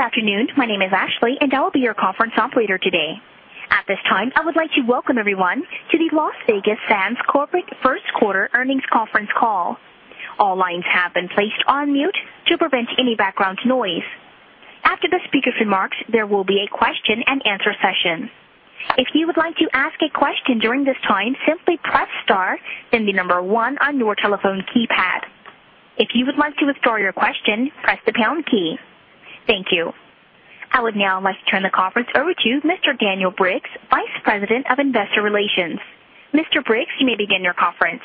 Good afternoon. My name is Ashley, and I will be your conference operator today. At this time, I would like to welcome everyone to the Las Vegas Sands Corporate First Quarter Earnings Conference Call. All lines have been placed on mute to prevent any background noise. After the speaker's remarks, there will be a question and answer session. If you would like to ask a question during this time, simply press star and the number one on your telephone keypad. If you would like to withdraw your question, press the pound key. Thank you. I would now like to turn the conference over to Mr. Daniel Briggs, Vice President of Investor Relations. Mr. Briggs, you may begin your conference.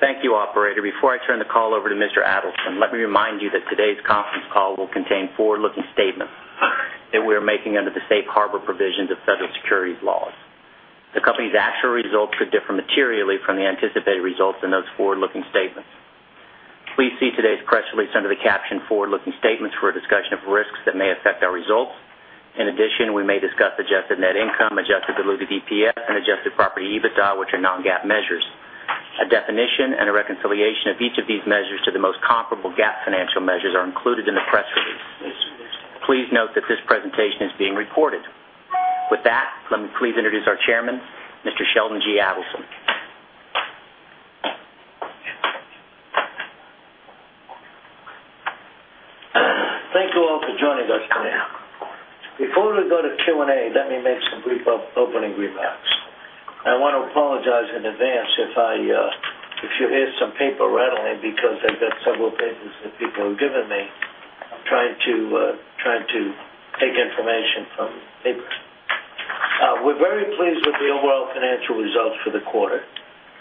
Thank you, operator. Before I turn the call over to Mr. Adelson, let me remind you that today's conference call will contain forward-looking statements that we are making under the safe harbor provisions of federal securities laws. The company's actual results could differ materially from the anticipated results in those forward-looking statements. Please see today's press release under the caption "Forward-Looking Statements" for a discussion of risks that may affect our results. In addition, we may discuss adjusted net income, adjusted diluted EPS, and adjusted property EBITDA, which are non-GAAP measures. A definition and a reconciliation of each of these measures to the most comparable GAAP financial measures are included in the press release. Please note that this presentation is being recorded. With that, let me please introduce our Chairman, Mr. Sheldon G. Adelson. Thank you all for joining us today. Before we go to Q&A, let me make some brief opening remarks. I want to apologize in advance if you hear some paper rattling because I've got several papers that people have given me. I'm trying to take information from paper. We're very pleased with the overall financial results for the quarter.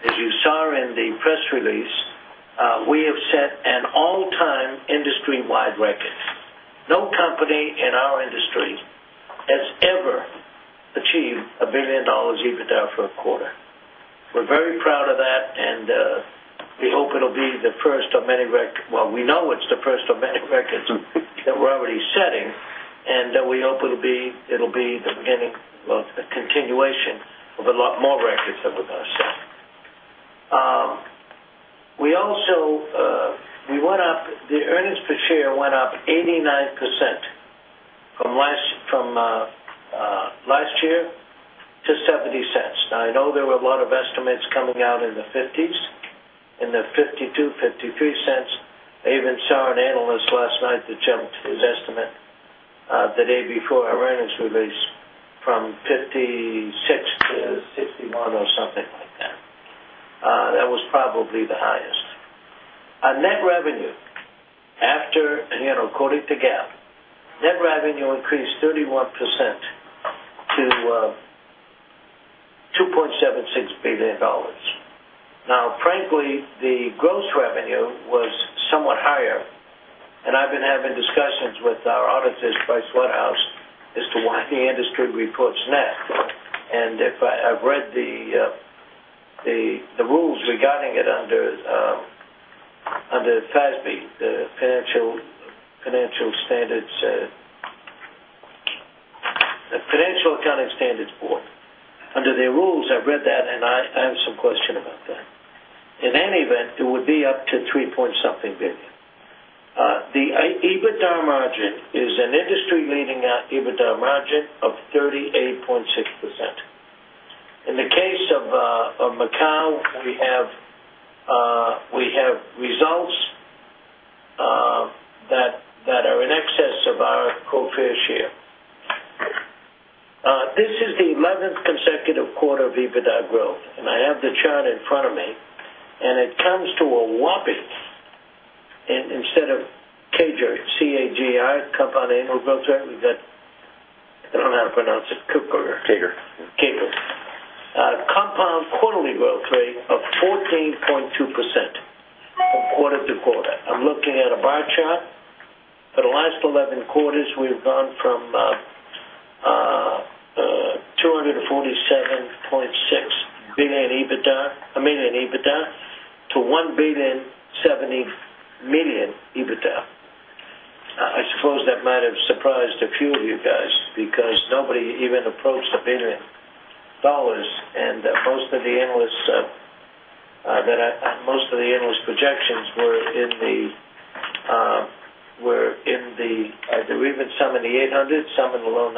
As you saw in the press release, we have set an all-time industry-wide record. No company in our industry has ever achieved $1 billion EBITDA for a quarter. We're very proud of that, and we hope it'll be the first of many records. We know it's the first of many records that we're already setting, and we hope it'll be the beginning of a continuation of a lot more records that we're going to set. We also, we went up, the earnings per share went up 89% from last year to $0.70. Now, I know there were a lot of estimates coming out in the $0.50s, in the $0.52, $0.53. I even saw an analyst last night that jumped his estimate the day before our earnings release from $0.56-$0.61 or something like that. That was probably the highest. Our net revenue, after quoting the GAAP, net revenue increased 31% to $2.76 billion. Now, frankly, the gross revenue was somewhat higher, and I've been having discussions with our auditors, Vice Whitehouse, as to why the industry records net. If I've read the rules regarding it under FASB, the Financial Accounting Standards Board, under the rules, I've read that, and I have some question about that. In any event, it would be up to $3 point something billion. The EBITDA margin is an industry-leading EBITDA margin of 38.6%. In the case of Macau, we have results that are in excess of our core fair share. This is the 11th consecutive quarter of EBITDA growth, and I have the chart in front of me, and it comes to a whopping, instead of CAGR, C-A-G-R, compound annual growth rate. We've got, I don't know how to pronounce it, CAGR. CAGR. CAGR. Compound quarterly growth rate of 14.2% from quarter-to-quarter. I'm looking at a bar chart. For the last 11 quarters, we've gone from $247.6 million EBITDA to $1.07 billion EBITDA. I suppose that might have surprised a few of you guys because nobody even approached a $1 billion, and most of the analyst projections were in the, there were even some in the $800 million, some in the low $900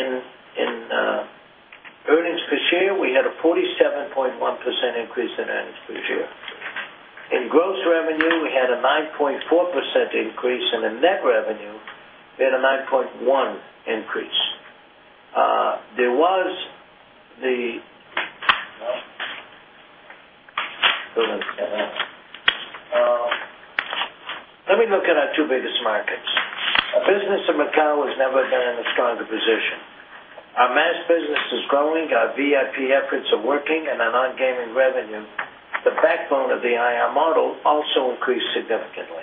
million. In earnings per share, we had a 47.1% increase in earnings per share. In gross revenue, we had a 9.4% increase, and in net revenue, we had a 9.1% increase. Let me look at our two biggest markets. Business in Macau has never been in a stronger position. Our mass business is growing, our VIP efforts are working, and our non-gaming revenue, the backbone of the integrated resort model, also increased significantly.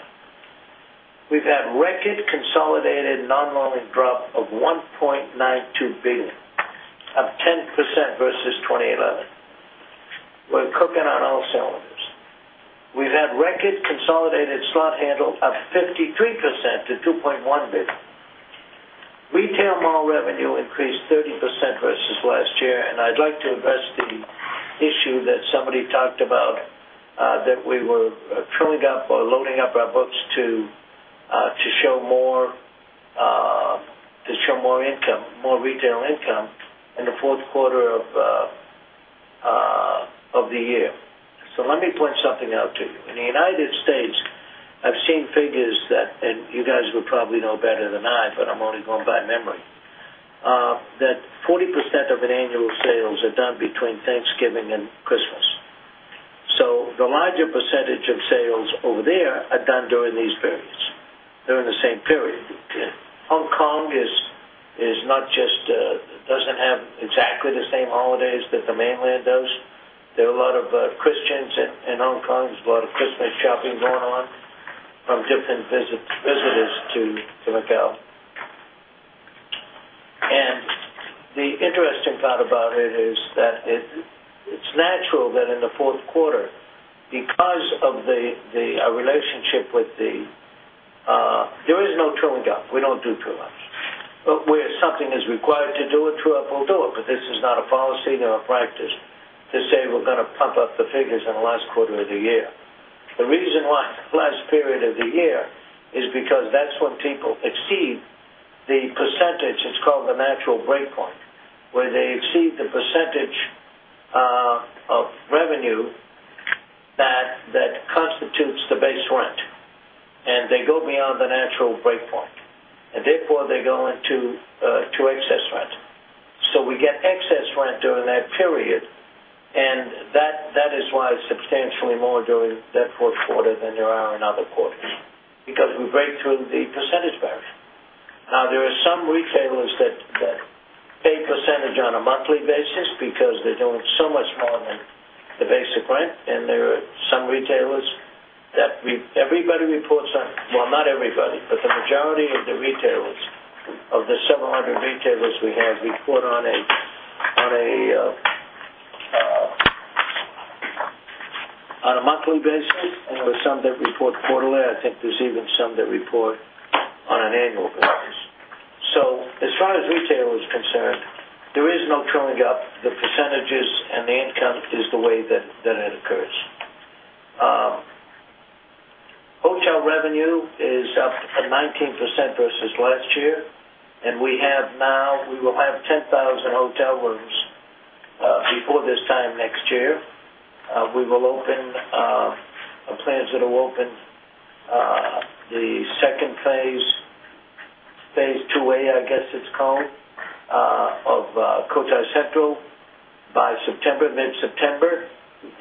We've had record consolidated non-loaning drop of $1.92 billion, up 10% versus 2011. We're cooking on all cylinders. We've had record consolidated slot handle of 53% to $2.1 billion. Retail mall revenue increased 30% versus last year, and I'd like to address the issue that somebody talked about, that we were filling up or loading up our books to show more, to show more income, more retail income in the fourth quarter of the year. Let me point something out to you. In the United States, I've seen figures that, and you guys would probably know better than I, but I'm only going by memory, that 40% of annual sales are done between Thanksgiving and Christmas. The larger percentage of sales over there are done during these periods. They're in the same period. Hong Kong does not have exactly the same holidays that the mainland does. There are a lot of Christians in Hong Kong. There's a lot of Christmas shopping going on from different visitors to Macau. The interesting part about it is that it's natural that in the fourth quarter, because of the, our relationship with the, there is no trilling up. We don't do trill-ups. Where something is required to do a trill-up, we'll do it. This is not a policy, nor a practice, to say we're going to pump up the figures in the last quarter of the year. The reason why the last period of the year is because that's when people exceed the percentage, it's called the natural breakpoint, where they exceed the percentage of revenue that constitutes the base rent. They go beyond the natural breakpoint, and therefore they go into excess rent. We get excess rent during that period, and that is why substantially more during that fourth quarter than there are in other quarters, because we break through the percentage barrier. There are some retailers that pay percentage on a monthly basis because they're doing so much more than the basic rent, and there are some retailers that, the majority of the retailers, of the several hundred retailers we have, record on a monthly basis, or some that report quarterly. I think there's even some that report on an annual basis. As far as retail is concerned, there is no trilling up. The percentages and the income is the way that it occurs. Hotel revenue is up 19% versus last year, and we will have 10,000 hotel rooms before this time next year. Our plans are that we will open the second phase, Phase IIA, of Cotai Central by mid-September,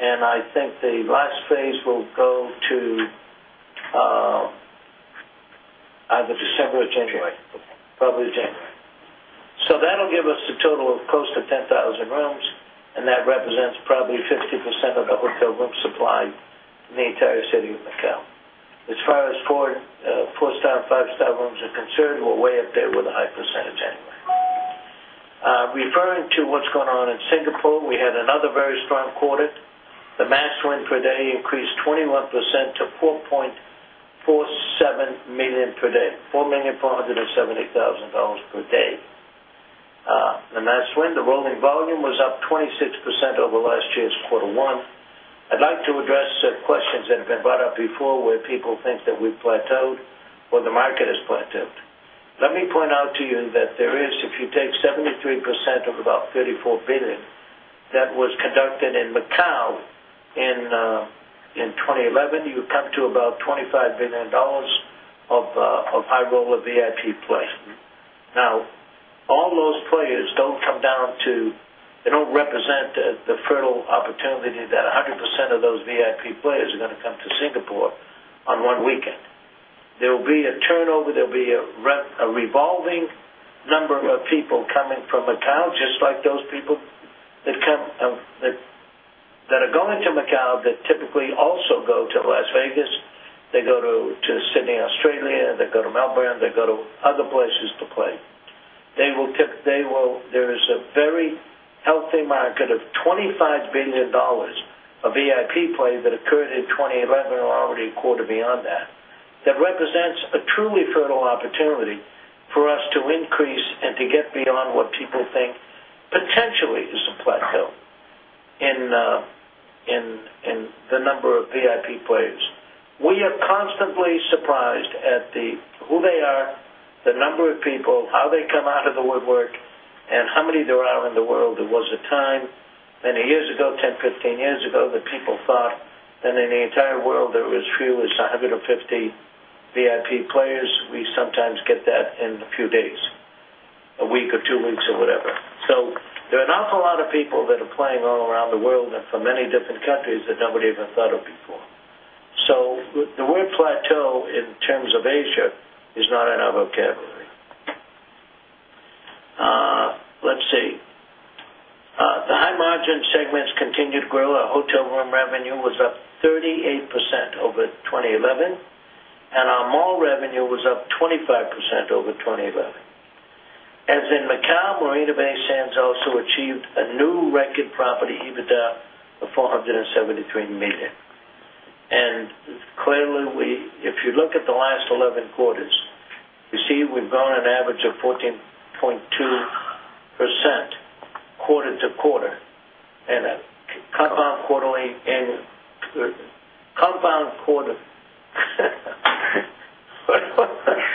and I think the last phase will go to either December or January, probably January. That'll give us a total of close to 10,000 rooms, and that represents probably 50% of the hotel room supply in the entire city of Macau. As far as four-star, five-star rooms are concerned, we're way up there with a high percentage anyway. Referring to what's going on in Singapore, we had another very strong quarter. The mass win per day increased 21% to $4.47 million per day. The mass win, the rooming volume was up 26% over last year's quarter one. I'd like to address questions that have been brought up before where people think that we've plateaued or the market has plateaued. Let me point out to you that if you take 73% of about $34 billion that was conducted in Macau in 2011, you come to about $25 billion of high-roll, of VIP players. Now, all those players, those come down to, they don't represent the fertile opportunity that 100% of those VIP players are going to come to Singapore on one weekend. There will be a turnover, there'll be a revolving number of people coming from Macau, just like those people that are going to Macau that typically also go to Las Vegas. They go to Sydney, Australia, they go to Melbourne, they go to other places to play. They will typically, there is a very healthy market of $25 billion of VIP play that occurred in 2011 or already a quarter beyond that. That represents a truly fertile opportunity for us to increase and to get beyond what people think potentially is a plateau in the number of VIP players. We are constantly surprised at who they are, the number of people, how they come out of the woodwork, and how many there are in the world. There was a time, many years ago, 10, 15 years ago, that people thought that in the entire world there were as few as 150 VIP players. We sometimes get that in a few days, a week or two weeks or whatever. There are an awful lot of people that are playing all around the world and from many different countries that nobody ever thought of before. The word plateau in terms of Asia is not in our vocabulary. Let's see. The high margin segments continued to grow. Our hotel room revenue was up 38% over 2011, and our mall revenue was up 25% over 2011. As in Macau, Marina Bay Sands also achieved a new record property EBITDA of $473 million. Clearly, if you look at the last 11 quarters, you see we've grown an average of 14.2% quarter-to-quarter in a compound quarterly compound quarter.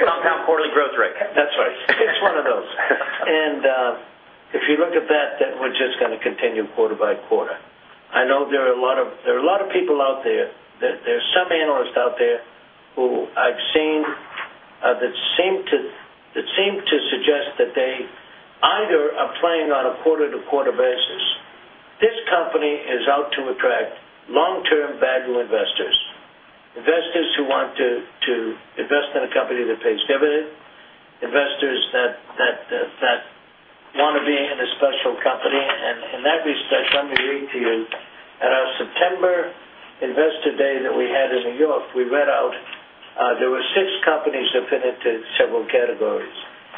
One of those. If you look at that, we're just going to continue quarter by quarter. I know there are a lot of people out there, there's some analysts out there who I've seen that seem to suggest that they either are playing on a quarter-to-quarter basis. This company is out to attract long-term value investors. Investors who want to invest in a company that pays dividends, investors that want to be in a special company, and in that respect, let me read to you, at our September Investor Day that we had in New York, we read out, there were six companies that fit into several categories.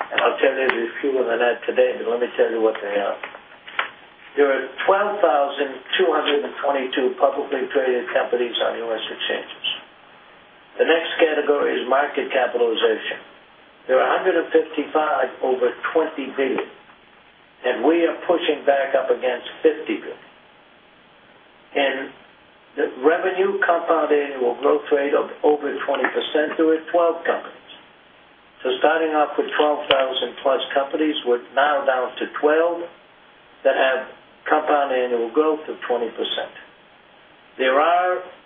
I'll tell you there's fewer than that today, but let me tell you what they are. There are 12,222 publicly traded companies on U.S. exchanges. The next category is market capitalization. There are 155 over $20 billion, and we are pushing back up against $50 billion. The revenue compound annual growth rate of over 20%, there were 12 companies. Starting off with 12,000+ companies, we're now down to 12 that have compound annual growth of 20%.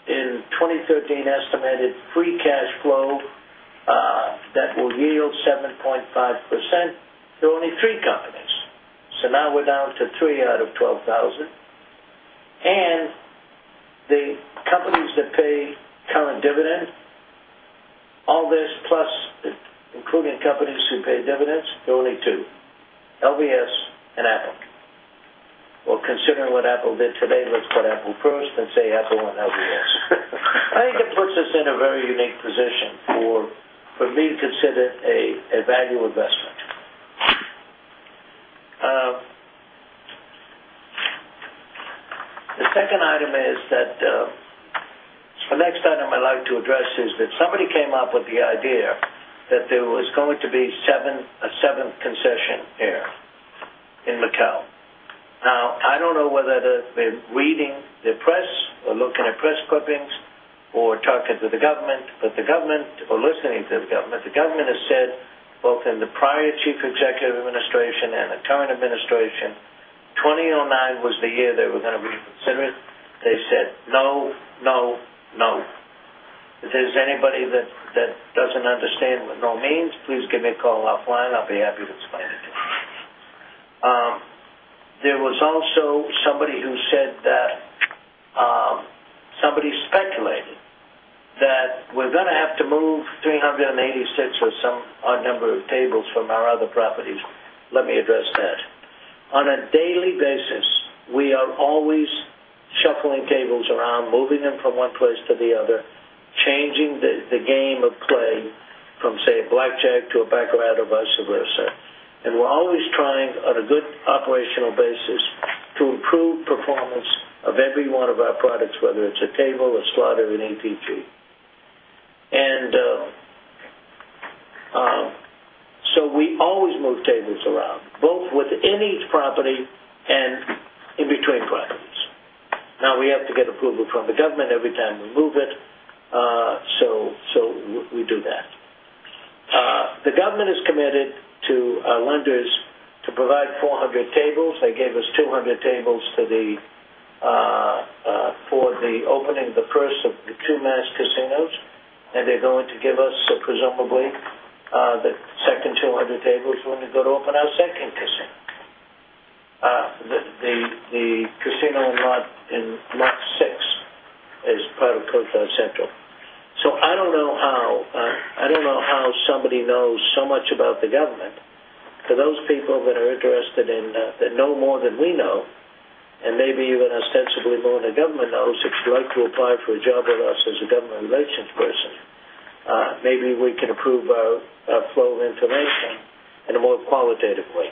In 2013, estimated free cash flow that will yield 7.5%. There are only three companies. Now we're down to 3 out of 12,000. The companies that pay current dividends, all this plus, including companies who pay dividends, there are only two, LVS and Apple. Considering what Apple did today, let's put Apple first and say Apple and LVS. I think it puts us in a very unique position for me to consider a value investment. The next item I'd like to address is that somebody came up with the idea that there was going to be a seventh concession there in Macau. I don't know whether it has been reading the press or looking at press clippings or talking to the government, or listening to the government. The government has said both in the prior Chief Executive administration and the current administration, 2009 was the year they were going to reconsider it. They said, "No, no, no." If there's anybody that doesn't understand what no means, please give me a call offline. I'll be happy to explain it to you. There was also somebody who said that, somebody speculated that we're going to have to move 386 or some odd number of tables from our other properties. Let me address that. On a daily basis, we are always shuffling tables around, moving them from one place to the other, changing the game of play from, say, a blackjack to a baccarat, or vice versa. We're always trying, on a good operational basis, to improve performance of every one of our products, whether it's a table, a slot, or an ETGs. We always move tables around, both within each property and in between properties. Now, we have to get approval from the government every time we move it, so we do that. The government is committed to our lenders to provide 400 tables. They gave us 200 tables for the opening of the first of the two mass casinos, and they're going to give us, presumably, the second 200 tables when we go to open our second casino. The casino in March 6 is part of Cotai Central. I don't know how somebody knows so much about the government. For those people that are interested in, that know more than we know, and maybe even ostensibly more than the government knows, if you'd like to apply for a job with us as a government relations person, maybe we can improve our flow of information in a more qualitative way.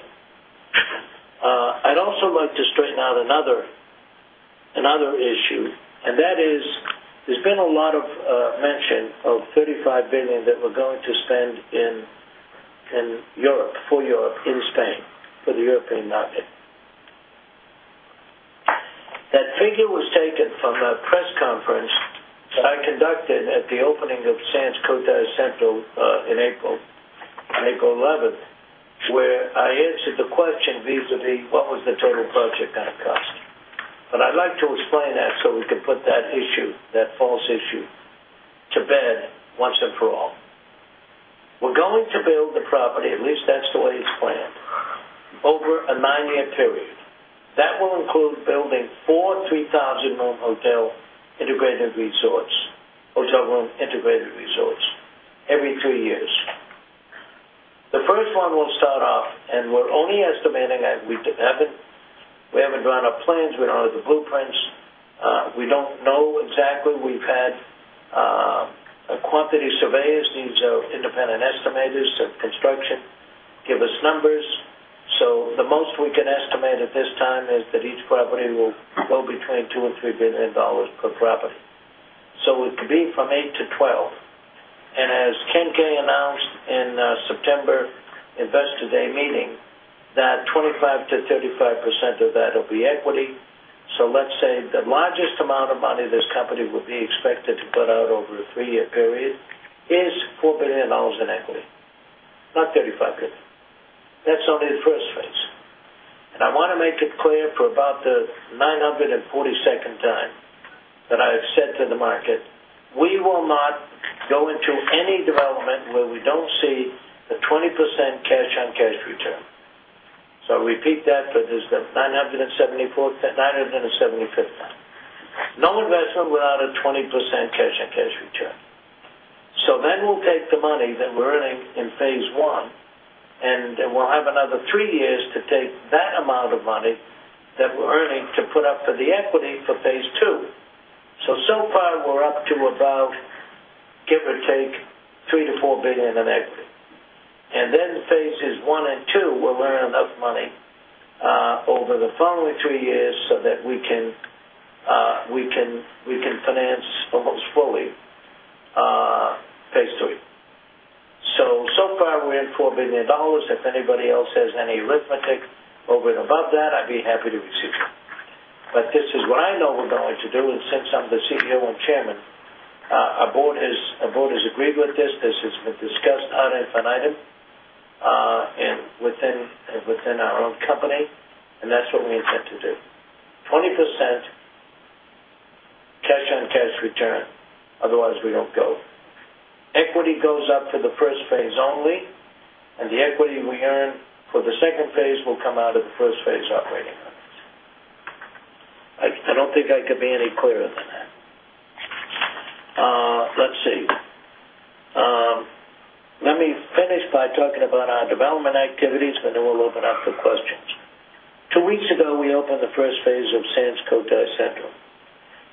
I'd also like to straighten out another issue, and that is, there's been a lot of mention of $35 billion that we're going to spend in Europe, for Europe, in Spain, for the European market. That figure was taken from a press conference that I conducted at the opening of Sands Cotai Central, on April 11, where I answered the question vis-à-vis what was the total project cost. I'd like to explain that so we can put that issue, that false issue, to bear once and for all. We're going to build the property, at least that's the way it's planned, over a nine-year period. That will include building four 3,000-room hotel integrated resorts every three years. The first one will start off, and we're only estimating that. We didn't have it. We haven't brought up plans. We don't have the blueprints. We don't know exactly. We've had a quantity survey, as these are independent estimators, to construction give us numbers. The most we can estimate at this time is that each property will go between $2 billion and $3 billion per property. So it would be from $8 billion-$12 billion. As Ken Kay announced in the September Investor Day meeting, 25%-35% of that will be equity. Let's say the largest amount of money this company would be expected to put out over a three-year period is $4 billion in equity, not $35 billion. That's only the first phase. I want to make it clear for about the 942nd time that I've said to the market, we will not go into any development where we don't see a 20% cash-on-cash return. I repeat that for this, the 974th, 975th time. No investment without a 20% cash-on-cash return. We'll take the money that we're earning in Phase I, and then we'll have another three years to take that amount of money that we're earning to put up for the equity for Phase II. So far, we're up to about, give or take, $3 billion-$4 billion in equity. In phases one and two, we'll earn enough money over the following three years so that we can finance almost fully Phase III. Somewhere we're at $4 billion. If anybody else has any arithmetic over and above that, I'd be happy to receive that. This is what I know we're going to do, and since I'm the CEO and Chairman, our board has agreed with this. This has been discussed item for item within our own company, and that's what we intend to do. 20% cash-on-cash return. Otherwise, we don't go. Equity goes up for the first phase only, and the equity we earn for the second phase will come out of the first phase operating margins. I don't think I could be any clearer than that. Let me finish by talking about our development activities, and then we'll open up to questions. Two weeks ago, we opened the first phase of Sands Cotai Central.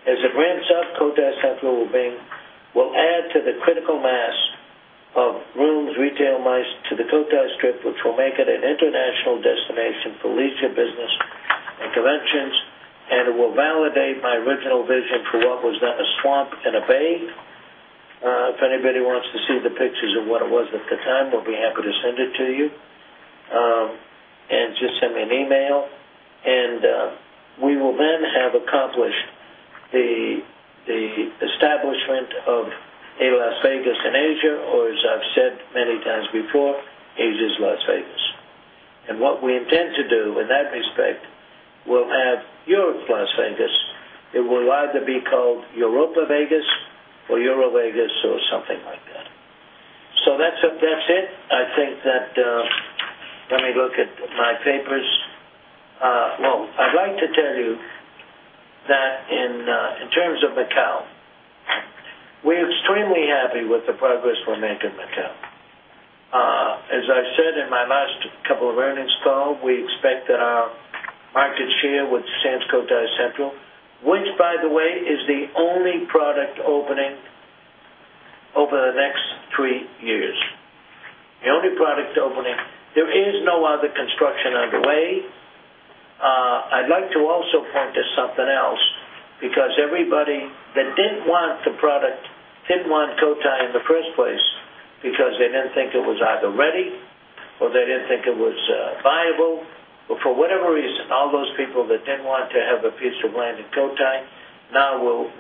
As it ramps up, Cotai Central will add to the critical mass of rooms, retail, MICE to the Cotai Strip, which will make it an international destination for leisure, business, and conventions, and it will validate my original vision for what was a swamp and a bay. If anybody wants to see the pictures of what it was at the time, we'll be happy to send it to you. Just send me an email. We will then have accomplished the establishment of a Las Vegas in Asia, or as I've said many times before, Asia's Las Vegas. What we intend to do in that respect will have Europe's Las Vegas. It will either be called Europa Vegas or EuroVegas or something like that. That's it. I think that, let me look at my papers. I'd like to tell you that in terms of Macau, we're extremely happy with the progress we're making in Macau. As I've said in my last couple of earnings calls, we expect that our market share with Sands Cotai Central, which, by the way, is the only product opening over the next three years. The only product opening. There is no other construction underway. I'd like to also point to something else because everybody that didn't want the product, didn't want Cotai in the first place because they didn't think it was either ready or they didn't think it was viable. For whatever reason, all those people that didn't want to have a piece of land in Cotai now will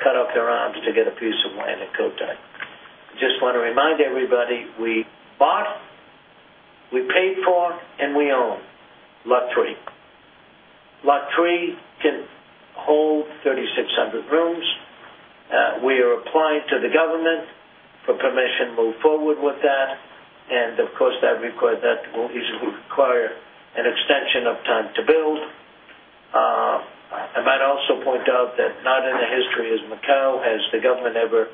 cut off their arms to get a piece of land in Cotai. I just want to remind everybody we bought, we paid for, and we own, Lot 3. Lot 3 can hold 3,600 rooms. We are applying to the government for permission to move forward with that, and of course, that will require an extension of time to build. I might also point out that not in the history of Macau has the government ever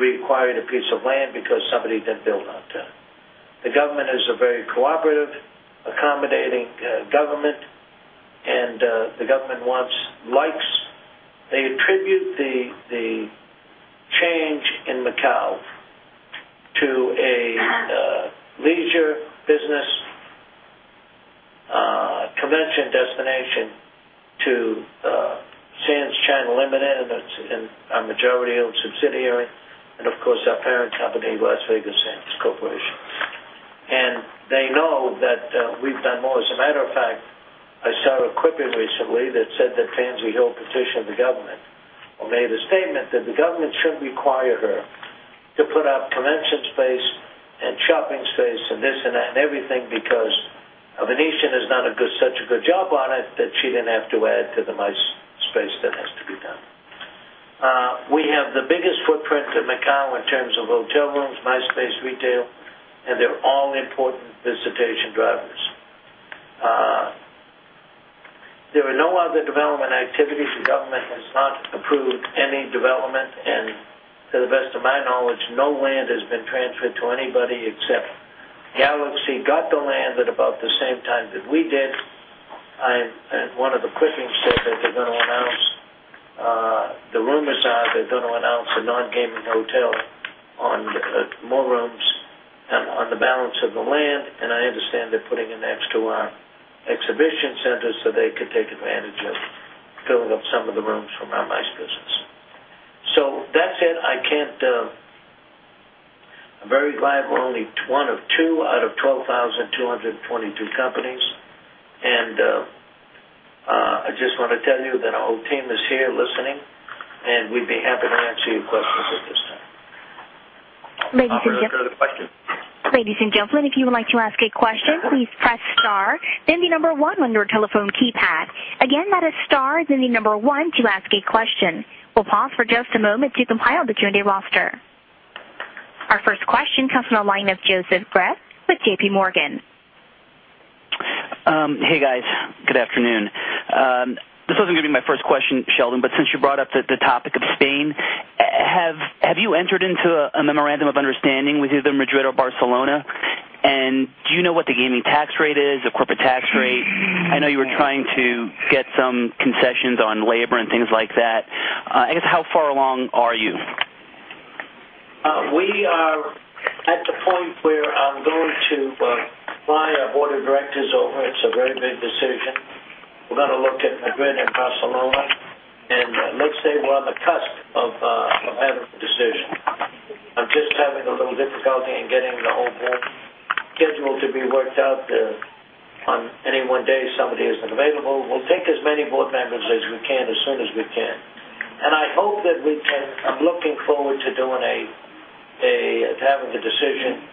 required a piece of land because somebody didn't build on time. The government is a very cooperative, accommodating government, and the government wants, likes, they attribute the change in Macau to a leisure business, prevention destination to Sands China Ltd., and that's in our majority-owned subsidiary, and of course, our parent company, Las Vegas Sands Corporation. They know that we've done more. As a matter of fact, I saw an equipment recently that said that Pansy's old position in the government or made a statement that the government shouldn't require her to put up prevention space and shopping space and this and that and everything because The Venetian has done such a good job on it that she didn't have to add to the MICE space that has to be done. We have the biggest footprint in Macau in terms of hotel rooms, MICE space, retail, and they're all important visitation drivers. There were no other development activities. The government has not approved any development, and to the best of my knowledge, no land has been transferred to anybody except Galaxy. See, got the land at about the same time that we did. One of the quick things they're going to announce, the rumors are they're going to announce a non-gaming hotel, more rooms, and on the balance of the land, and I understand they're putting an extra one exhibition center so they could take advantage of filling up some of the rooms from our MICE business. That's it. I can't, a very viable only one of two out of 12,223 companies. I just want to tell you that our whole team is here listening, and we'd be happy to answer your questions at this time. Ladies and gentlemen. Operator, let's go to the questions. Ladies and gentlemen, if you would like to ask a question, please press star then the number one on your telephone keypad. Again, that is star then the number one to ask a question. We'll pause for just a moment to compile the Q&A roster. Our first question comes from the line of Joseph Greff with JPMorgan. Hey, guys. Good afternoon. This doesn't get to be my first question, Sheldon, but since you brought up the topic of Spain, have you entered into a memorandum of understanding with either Madrid or Barcelona? Do you know what the gaming tax rate is, the corporate tax rate? I know you were trying to get some concessions on labor and things like that. I guess how far along are you? We are at the point where I'm going to fly our Board of Directors over. It's a very big decision. We've got to look at an agreement in Barcelona, and let's say we're on the cusp of having a decision. I'm just having a little difficulty in getting the whole board schedule to be worked out. On any one day, somebody isn't available. We'll take as many board members as we can as soon as we can. I hope that we can, I'm looking forward to having a decision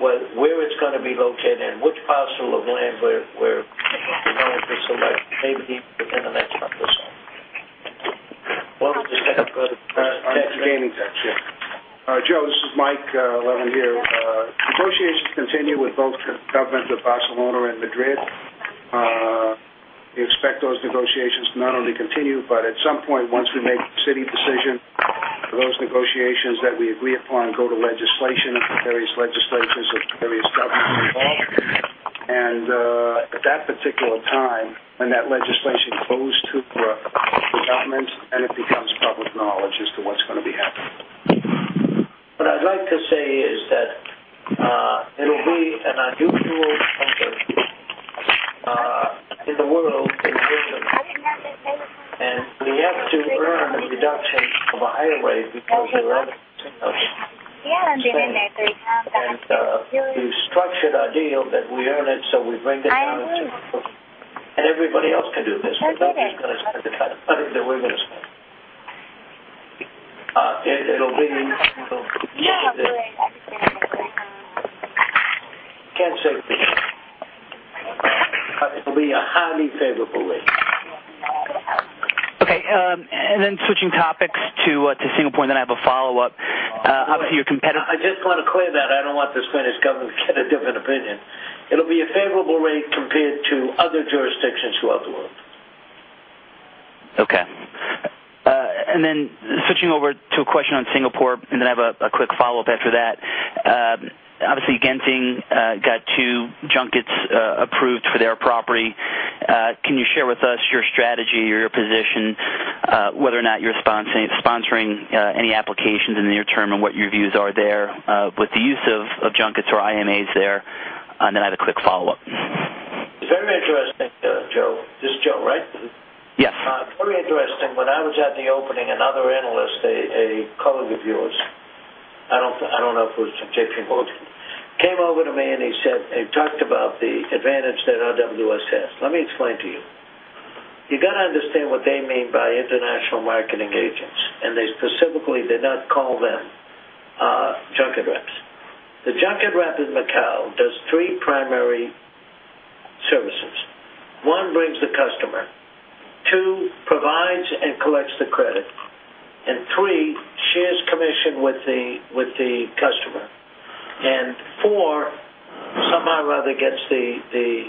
whether where it's going to be located and which parcel of land we're going to select, maybe in the next month or so. I'm just going to go to our next gaming section. Joe, this is Mike Leven here. Negotiations continue with both the government of Barcelona and Madrid. We expect those negotiations to not only continue, but at some point, once we make the city decision, those negotiations that we agree upon go to legislation for various legislators of the various government involved. At that particular time, when that legislation goes to the governments, it becomes public knowledge as to what's going to be happening. What I'd like to say is that it'll be, and I do. I said of a higher way because of. Okay. Yeah, I'm doing that. I'm sorry. We've structured our deal that we earn it, we bring it to the table, and everybody else can do business. I'm doing it. It's going to be a way to spend. It'll be. Yeah, I'm doing it. I'm doing it. Okay, and then switching topics to a single point, then I have a follow-up. Obviously, your competitor. I just want to clear that. I don't want this finished government to get a different opinion. It'll be a favorable rate compared to other jurisdictions throughout the world. Okay. And then switching over to a question on Singapore, I have a quick follow-up after that. Obviously, Genting got two junkets approved for their property. Can you share with us your strategy or your position, whether or not you're sponsoring any applications in the near term and what your views are there with the use of junkets or IMAs there? I have a quick follow-up. Let me address, Joe. This is Joe, right? Yes. It's very interesting. When I was at the opening, another analyst, a colleague of yours, I don't know if it was JPMorgan, came over to me and he said they talked about the advantage that RWS has. Let me explain to you. You got to understand what they mean by international marketing agents, and they specifically did not call them junket reps. The junket rep in Macau does three primary services. One, brings the customer. Two, provides and collects the credit. Three, shares commission with the customer. Four, somehow or other gets the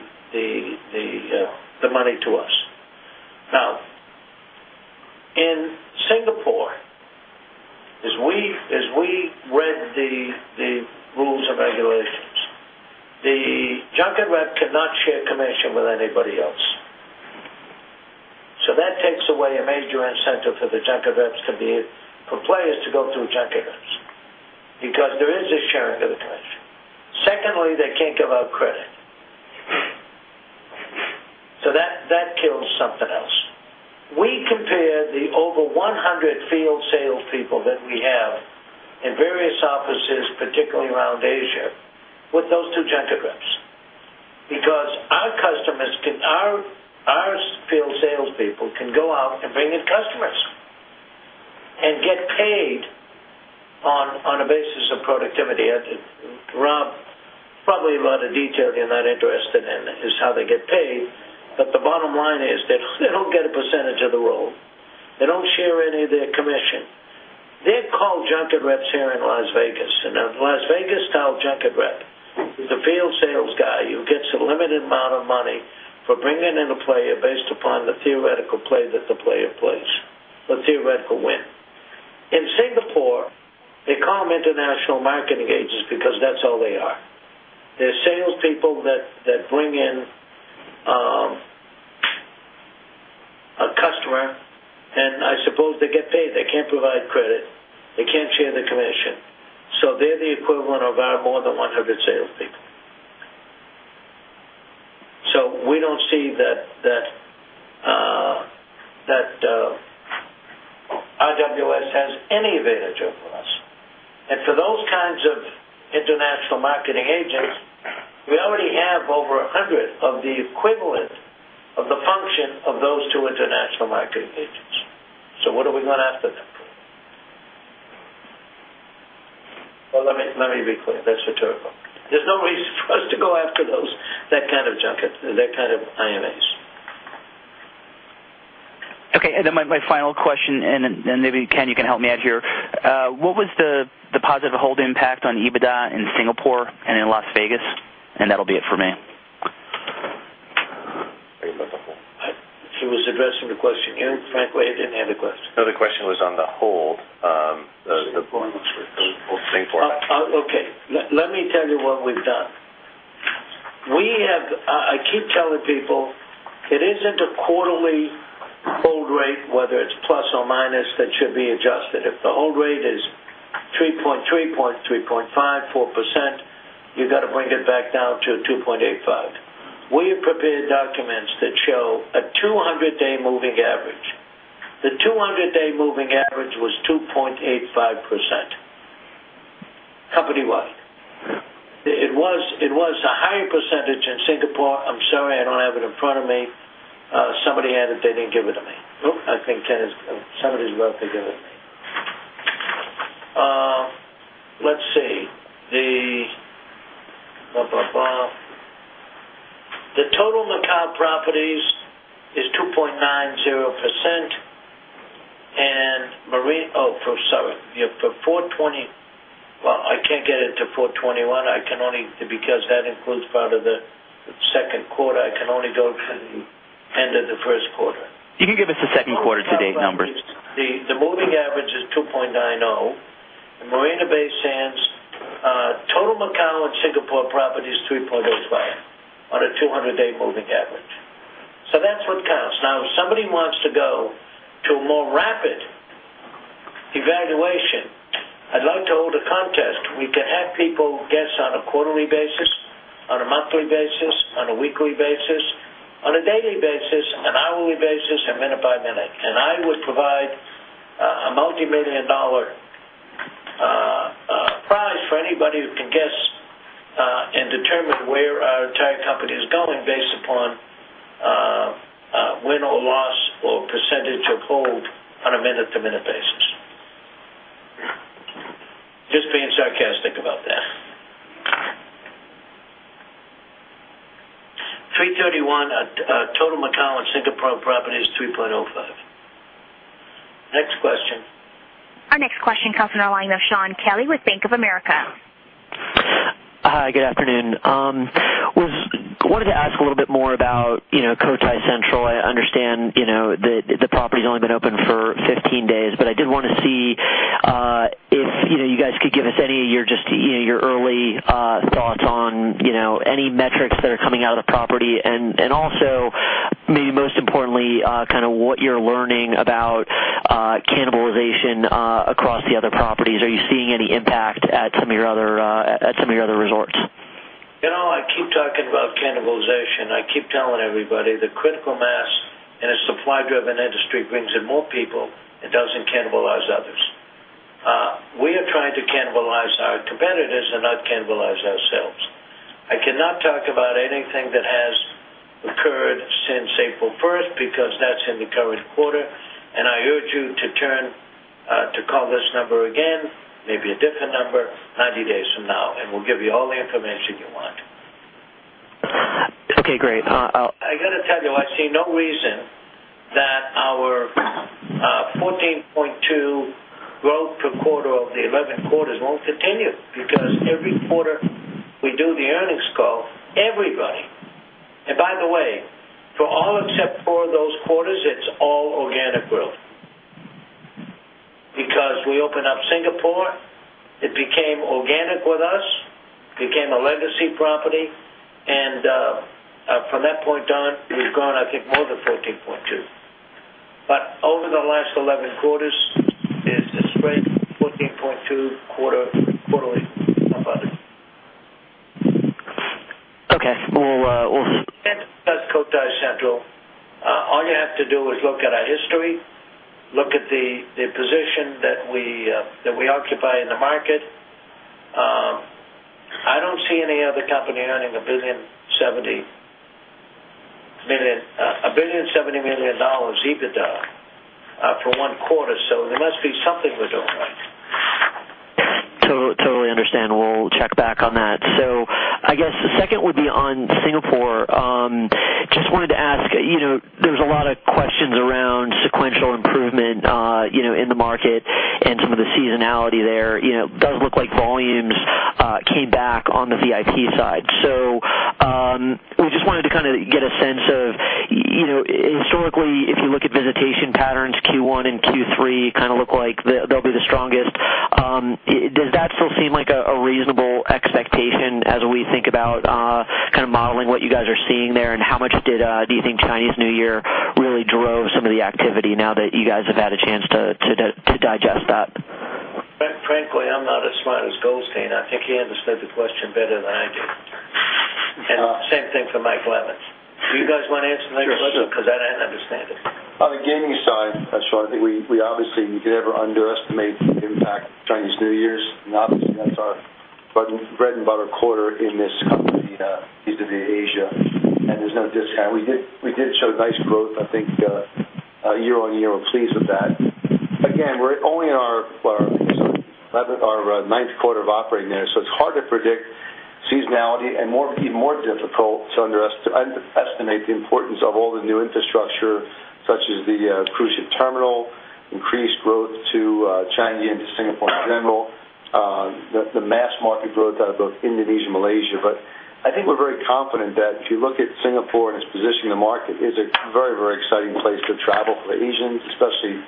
money to us. Now, in Singapore, as we read the rules and regulations, the junket rep cannot share commission with anybody else. That takes away a major incentive for the junket reps to be, for players to go through junket reps because there is a sharing of the commission. Secondly, they can't give out credit. That kills something else. We compare the over 100 field salespeople that we have in various offices, particularly around Asia, with those two junket reps because our customers can, our field salespeople can go out and bring in customers and get paid on a basis of productivity. Rob, probably a lot of detail you're not interested in is how they get paid, but the bottom line is that they don't get a percentage of the world. They don't share any of their commission. They've called junket reps here in Las Vegas, and now the Las Vegas-style junket rep is a field sales guy who gets a limited amount of money for bringing in a player based upon the theoretical play that the player plays, a theoretical win. In Singapore, they call them international marketing agents because that's all they are. They're salespeople that bring in a customer, and I suppose they get paid. They can't provide credit. They can't share the commission. They're the equivalent of our more than 100 salespeople. We don't see that RWS has any advantage over us. For those kinds of international marketing agents, we already have over 100 of the equivalent of the function of those two international marketing agents. What are we going after them for? Let me be clear. That's the third one. There's no reason for us to go after that kind of junket, that kind of IMA. Okay. My final question, and maybe Ken, you can help me out here. What was the positive hold impact on EBITDA in Singapore and in Las Vegas? That'll be it for me. She was addressing the question here. Frankly, I didn't hear the question. No, the question was on the hold, the hold for. Oh, okay. Let me tell you what we've done. We have, I keep telling people it isn't a quarterly hold rate, whether it's plus or minus, that should be adjusted. If the hold rate is 3.3%, 3.5%, 4%, you got to bring it back down to 2.85%. We have prepared documents that show a 200-day moving average. The 200-day moving average was 2.85% company-wide. It was a higher percentage in Singapore. I'm sorry, I don't have it in front of me. Somebody added they didn't give it to me. Oh, I think Ken is, somebody's about to give it to me. Let's see. The total Macau properties is 2.90%, and Marina, oh, for, sorry, yeah, for 04/20, well, I can't get it to 04/21. I can only, because that includes part of the second quarter, I can only go to the end of the first quarter. You can give us the second quarter to date numbers. The moving average is 2.90%, and Marina Bay Sands, total Macau and Singapore properties 2.85% on a 200-day moving average. That's what counts. If somebody wants to go to a more rapid evaluation, I'd like to hold a contest. We can have people guess on a quarterly basis, on a monthly basis, on a weekly basis, on a daily basis, an hourly basis, and minute by minute. I would provide a multi-million dollar prize for anybody who can guess and determine where our entire company is going based upon win or loss or percentage of hold on a minute-to-minute basis. Just being sarcastic about that. 03/31, total Macau and Singapore properties, 3.05%. Next question. Our next question comes from our line of Shaun Kelley with Bank of America. Hi, good afternoon. I wanted to ask a little bit more about, you know, Cotai Central. I understand, you know, that the property's only been open for 15 days, but I did want to see if, you know, you guys could give us any of your, just, you know, your early thoughts on, you know, any metrics that are coming out of the property, and also, maybe most importantly, kind of what you're learning about cannibalization across the other properties. Are you seeing any impact at some of your other resorts? I keep talking about cannibalization. I keep telling everybody the critical mass in a supply-driven industry brings in more people. It doesn't cannibalize others. We are trying to cannibalize our competitors and not cannibalize ourselves. I cannot talk about anything that has occurred since April 1st because that's in the current quarter, and I urge you to call this number again, maybe a different number, 90 days from now, and we'll give you all the information you want. Okay, great. I got to tell you, I see no reason that our 14.2% growth per quarter of the 11th quarter is worth a 10-year because every quarter we do the earnings call, everybody. By the way, for all except four of those quarters, it's all organic growth. We opened up Singapore, it became organic with us, became a legacy property, and from that point on, it was growing, I think, more than 14.2%. Over the last 11 quarters, it's a straight 14.2% quarterly. No further. Okay. We'll. That's Cotai Central. All you have to do is look at our history, look at the position that we occupy in the market. I don't see any other company earning $1.07 billion, $1 billion, $1.07 billion EBITDA for one quarter, so there must be something we're doing. We understand. We'll check back on that. Thank you. I guess the second would be on Singapore. I just wanted to ask, you know, there's a lot of questions around sequential improvement in the market and some of the seasonality there. It does look like volumes came back on the VIP side. I just wanted to kind of get a sense of, you know, historically, if you look at visitation patterns, Q1 and Q3 kind of look like they'll be the strongest. Does that still seem like a reasonable expectation as we think about modeling what you guys are seeing there? How much do you think Chinese New Year really drove some of the activity now that you guys have had a chance to digest that? Frankly, I'm not as smart as Goldstein. I think he understood the question better than I did. Same thing for Mike Leven. Do you guys want to answer Mike's question? Because I don't understand it. On the gaming side, that's why I think we obviously, you can never underestimate the impact of Chinese New Year's. Obviously, that's our bread and butter quarter in Asia, and there's no discount. We did show nice growth. I think, year on year, we're pleased with that. Again, we're only in our ninth quarter of operating there, so it's hard to predict seasonality and even more difficult to underestimate the importance of all the new infrastructure such as the cruise ship terminal, increased growth to China and Singapore in general, the mass market growth out of both Indonesia and Malaysia. I think we're very confident that if you look at Singapore and its position in the market, it's a very, very exciting place to travel for the Asians, especially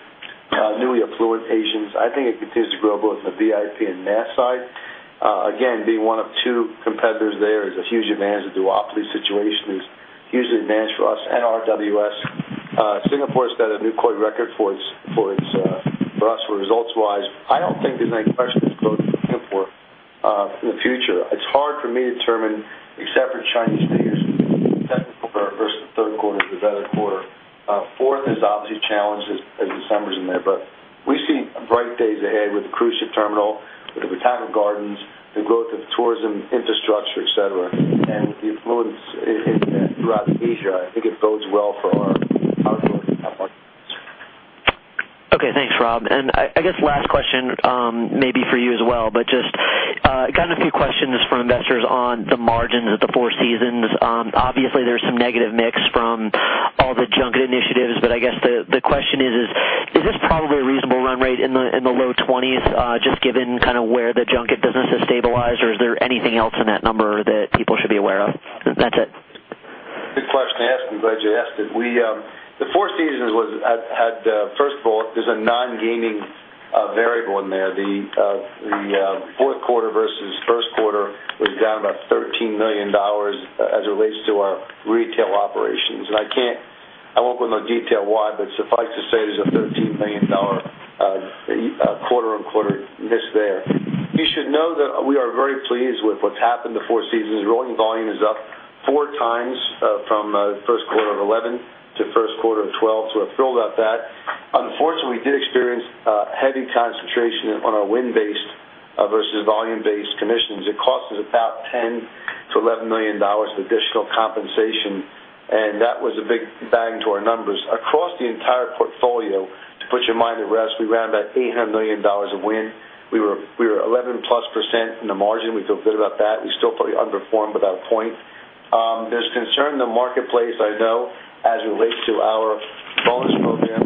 newly affluent Asians. I think it continues to grow both in the VIP and mass side. Again, being one of two competitors there is a huge advantage. The duopoly situation is hugely advantageous for us and RWS. Singapore's got a new court record for its results-wise. I don't think there's any question of growth for Singapore in the future. It's hard for me to determine except for the Chinese figures that are first and third quarters of the other quarter. Fourth is obviously challenged as the summer's in there, but we see bright days ahead with the cruise ship terminal, with the Botanical Gardens, the growth of tourism infrastructure, etc., and the affluence throughout Asia. I think it bodes well for our outlook at once. Okay. Thanks, Rob. I guess last question, maybe for you as well, just got a few questions from investors on the margins of the Four Seasons. Obviously, there's some negative mix from all the junket initiatives, but I guess the question is, is this probably a reasonable run rate in the low 20%, just given kind of where the junket business has stabilized, or is there anything else in that number that people should be aware of? That's it. Good question to ask. I'm glad you asked it. The Four Seasons had, first of all, there's a non-gaming variable in there. The fourth quarter versus first quarter was down about $13 million as it relates to our retail operations. I can't, I won't go into detail why, but suffice to say there's a $13 million quarter-on-quarter miss there. You should know that we are very pleased with what's happened. The Four Seasons' rolling volume is up four times from first quarter of 2011 to first quarter of 2012. We're thrilled about that. Unfortunately, we did experience heavy concentration on our win-based versus volume-based commissions. It cost us about $10 million-$11 million in additional compensation, and that was a big bang to our numbers. Across the entire portfolio, to put your mind at rest, we ran about $800 million of win. We were 11+% in the margin. We feel good about that. We still probably underperformed about a point. There's concern in the marketplace that I know as it relates to our bonus program.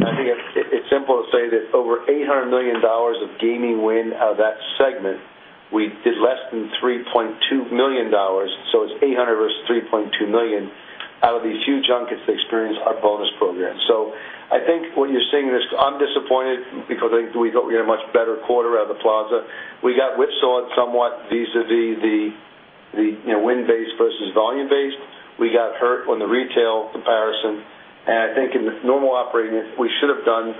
I think it's simple to say that over $800 million of gaming win out of that segment, we did less than $3.2 million. It's $800 million versus $3.2 million out of these few junkets that experienced our bonus program. I think what you're seeing in this, I'm disappointed because I think we thought we had a much better quarter out of The Plaza. We got whipsawed somewhat vis-à-vis the win-based versus volume-based. We got hurt on the retail comparison. I think in the normal operating we should have done,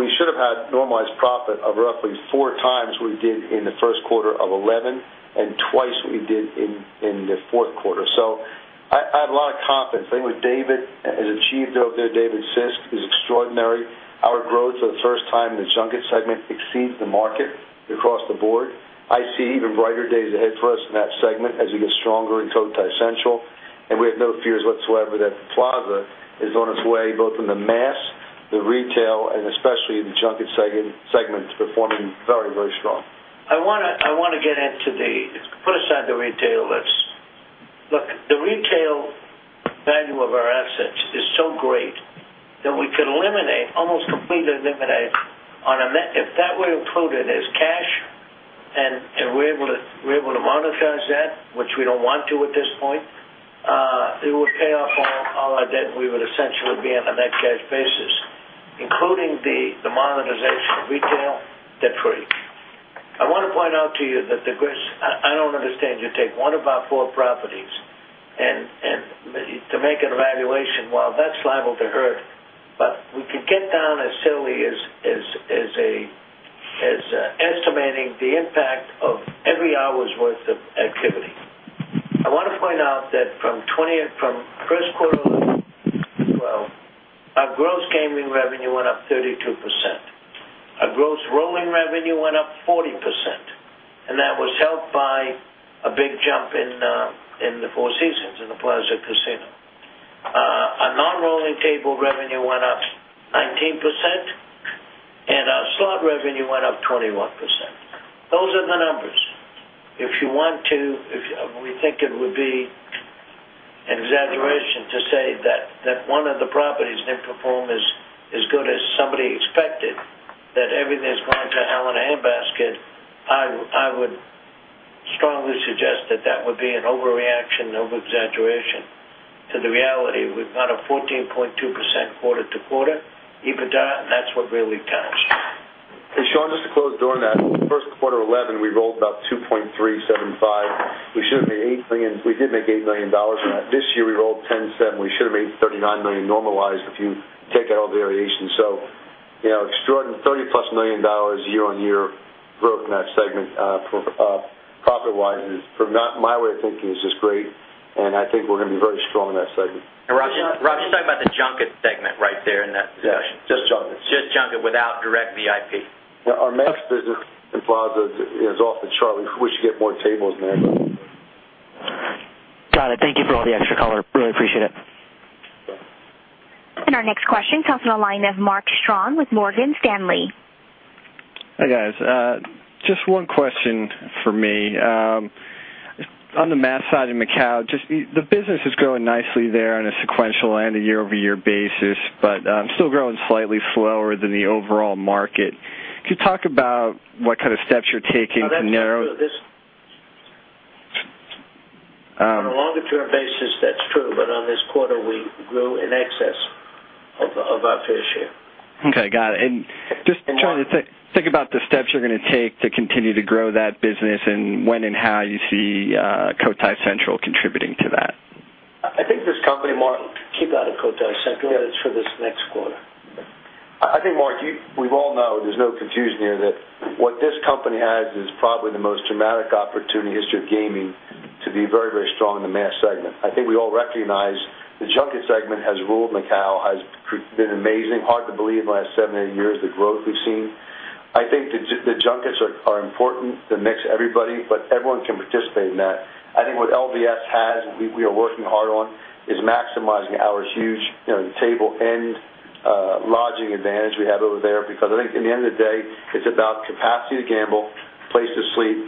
we should have had normalized profit of roughly four times what we did in the first quarter of 2011 and twice what we did in the fourth quarter. I have a lot of confidence. I think what David has achieved over there, David Sisk, is extraordinary. Our growth for the first time in the junket segment exceeds the market across the board. I see even brighter days ahead for us in that segment as we get stronger in Cotai Central. We have no fears whatsoever that The Plaza is on its way both in the mass, the retail, and especially in the junket segment to performing very, very strong. I want to get into the, put aside the retail list. Look, the retail value of our assets is so great that we could almost completely eliminate, on a net, if that were included as cash, and we're able to monetize that, which we don't want to at this point, it would pay off all our debt, and we would essentially be on a net cash basis, including the monetization of retail debt-free. I want to point out to you that the gross, I don't understand your take. One of our four properties, and to make an evaluation, that's liable to hurt, but we could get down as silly as estimating the impact of every hour's worth of activity. I want to point out that from the first quarter of 2012, our gross gaming revenue went up 32%. Our gross rolling revenue went up 40%. That was helped by a big jump in the Four Seasons and The Plaza Casino. Our non-rolling table revenue went up 19%, and our slot revenue went up 21%. Those are the numbers. If you want to, we think it would be an exaggeration to say that one of the properties didn't perform as good as somebody expected, that everything has gone to hell in a handbasket. I would strongly suggest that would be an overreaction, over-exaggeration to the reality. We've got a 14.2% quarter-to-quarter EBITDA, and that's what really counts. Sean, just to close the door on that, first quarter of 2011, we rolled about $2.375 million. We should have made $8 million. We did make $8 million on that. This year, we rolled $10.7 million. We should have made $39 million normalized if you take out all the variations. You know, it's $230 million+ year-on-year growth in that segment, profit-wise. From that, my way of thinking is just great, and I think we're going to be very strong in that segment. Rob, you're talking about the junket segment right there in that discussion. Yes. Just junket, without direct VIP. Our mass market business in The Plaza is off the chart. We should get more tables in there. Got it. Thank you for all the extra color. Really appreciate it. Our next question comes from the line of Mark Strong with Morgan Stanley. Hi, guys. Just one question for me. On the mass side in Macau, the business is growing nicely there on a sequential and a year-over-year basis, but I'm still growing slightly slower than the overall market. Could you talk about what kind of steps you're taking to narrow? a longer-term basis, that's true, but in this quarter, we grew in excess of our fair share. Okay. Got it. Just trying to think about the steps you're going to take to continue to grow that business and when and how you see Cotai Central contributing to that. Tell me more. Keep out of Cotai Central. For this next quarter. I think, Mark, we all know there's no confusion here that what this company has is probably the most dramatic opportunity in the history of gaming to be very, very strong in the mass segment. I think we all recognize the junket segment has ruled Macau, has been amazing. Hard to believe the last seven or eight years the growth we've seen. I think the junkets are important. They mix everybody, but everyone can participate in that. I think what LVS has, and we are working hard on, is maximizing our huge table and lodging advantage we have over there because I think at the end of the day, it's about capacity to gamble, a place to sleep,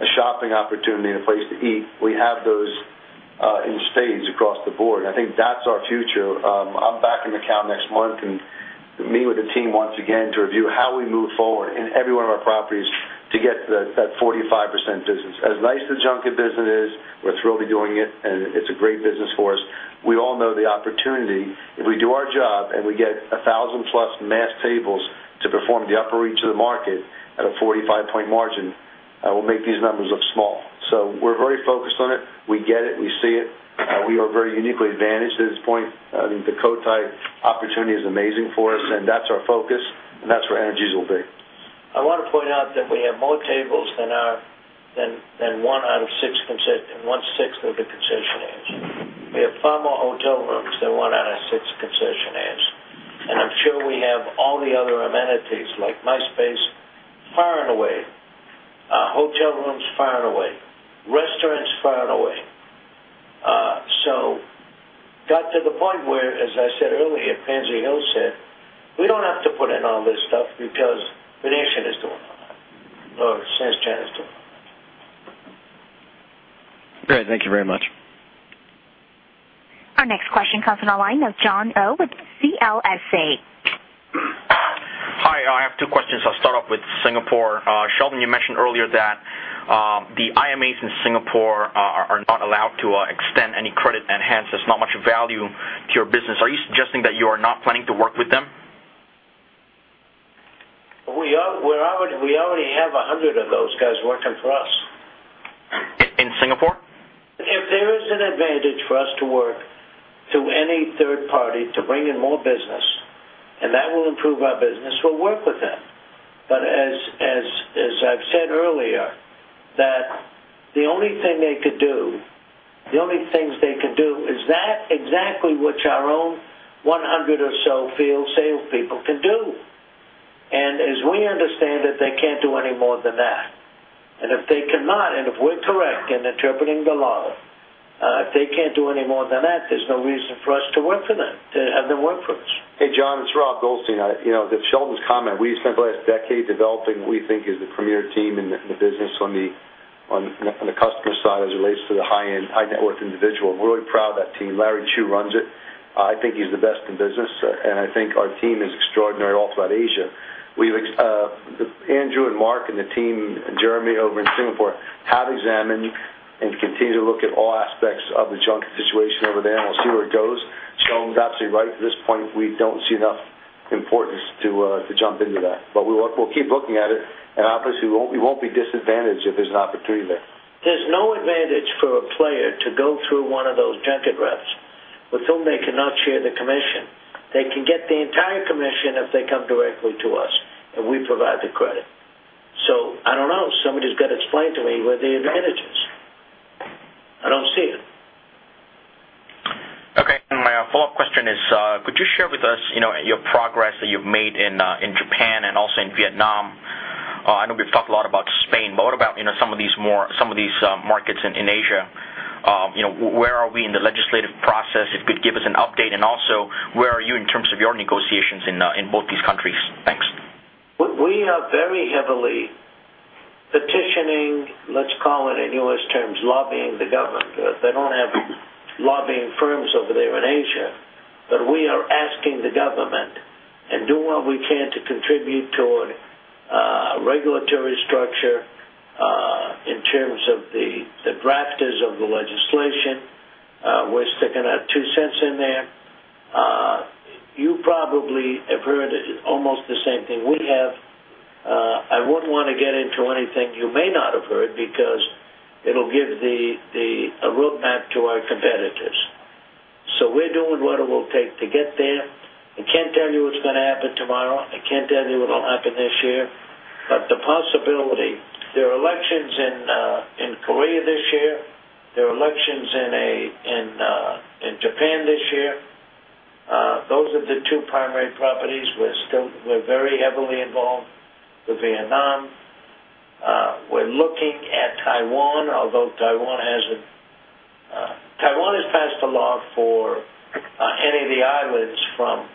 a shopping opportunity, and a place to eat. We have those, in stage across the board. I think that's our future. I'm back in Macau next month and meeting with the team once again to review how we move forward in every one of our properties to get to that 45% business. As nice as the junket business is, we're thrilled to be doing it, and it's a great business for us. We all know the opportunity. If we do our job and we get 1,000+ mass tables to perform the upper reach of the market at a 45% margin, we'll make these numbers look small. We're very focused on it. We get it. We see it. We are very uniquely advantaged at this point. I think the Cotai opportunity is amazing for us, and that's our focus, and that's where energy's will be. I want to point out that we have more tables than one out of six concessionaires. We have far more hotel rooms than one out of six concessionaires. I'm sure we have all the other amenities like my space far and away, hotel rooms far and away, restaurants far and away. It got to the point where, as I said earlier, as Pansy Ho said, we don't have to put in all this stuff because The Venetian is doing it or. All right, thank you very much. Our next question comes from the line of Jon Oh with CLSA. Hi. I have two questions. I'll start off with Singapore. Sheldon, you mentioned earlier that the IMAs in Singapore are not allowed to extend any credit enhancements. There's not much value to your business. Are you suggesting that you are not planning to work with them? We already have 100 of those guys working for us. In Singapore? If there is an advantage for us to work through any third party to bring in more business, and that will improve our business, we'll work with them. As I've said earlier, the only things they could do is that exactly which our own 100 or so field salespeople can do. As we understand it, they can't do any more than that. If they cannot, and if we're correct in interpreting the law, if they can't do any more than that, there's no reason for us to work for them, to have them work for us. Hey, Jon. It's Rob Goldstein. With Sheldon's comment, we spent about a decade developing what we think is the premier team in the business on the customer side as it relates to the high-end, high-net-worth individual. We're really proud of that team. Larry Chu runs it. I think he's the best in business, and I think our team is extraordinary all throughout Asia. Andrew and Mark and the team, Jeremy over in Singapore, have examined and continue to look at all aspects of the junket situation over there, and we'll see where it goes. Sheldon's absolutely right. At this point, we don't see enough importance to jump into that. We'll keep looking at it, and obviously, we won't be disadvantaged if there's an opportunity there. There's no advantage for a player to go through one of those junket reps with whom they cannot share the commission. They can get the entire commission if they come directly to us, and we provide the credit. I don't know. Somebody's got to explain to me what the advantage is. I don't see it. Okay. My follow-up question is, could you share with us your progress that you've made in Japan and also in Vietnam? I know we've talked a lot about Spain, but what about some of these more, some of these markets in Asia? Where are we in the legislative process? If you could give us an update. Also, where are you in terms of your negotiations in both these countries? Thanks. We are very heavily petitioning, let's call it in U.S. terms, lobbying the government. They don't have lobbying firms over there in Asia, but we are asking the government and doing what we can to contribute to a regulatory structure, in terms of the drafters of the legislation. We're sticking our two cents in there. You probably have heard almost the same thing we have. I wouldn't want to get into anything you may not have heard because it'll give a roadmap to our competitors. We are doing what it will take to get there. I can't tell you what's going to happen tomorrow. I can't tell you what'll happen this year, but the possibility, there are elections in Korea this year. There are elections in Japan this year. Those are the two primary properties. We're still very heavily involved with Vietnam. We're looking at Taiwan, although Taiwan hasn't, Taiwan has passed a law for any of the islands from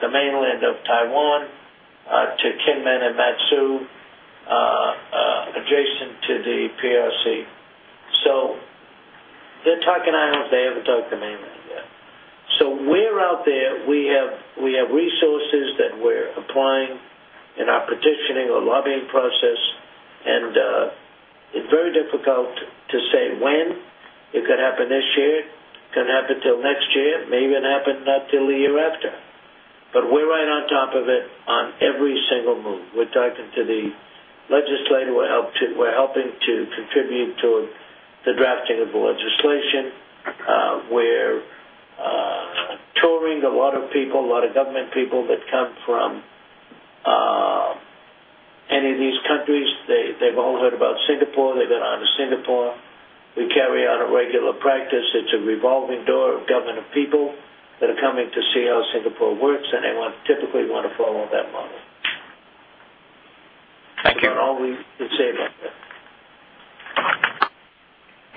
the mainland of Taiwan to Kinmen and Matsu, adjacent to the PRC. They're talking islands. They haven't talked to the mainland yet. We are out there. We have resources that we're applying in our petitioning or lobbying process, and it's very difficult to say when it could happen this year. It can happen till next year. It may even happen not till the year after. We're right on top of it on every single move. We're talking to the legislator. We're helping to contribute to the drafting of legislation. We're touring a lot of people, a lot of government people that come from any of these countries. They've all heard about Singapore. They've been out of Singapore. We carry out a regular practice. It's a revolving door of government people that are coming to see how Singapore works, and they typically want to follow that model. Thank you. We're always happy to say that.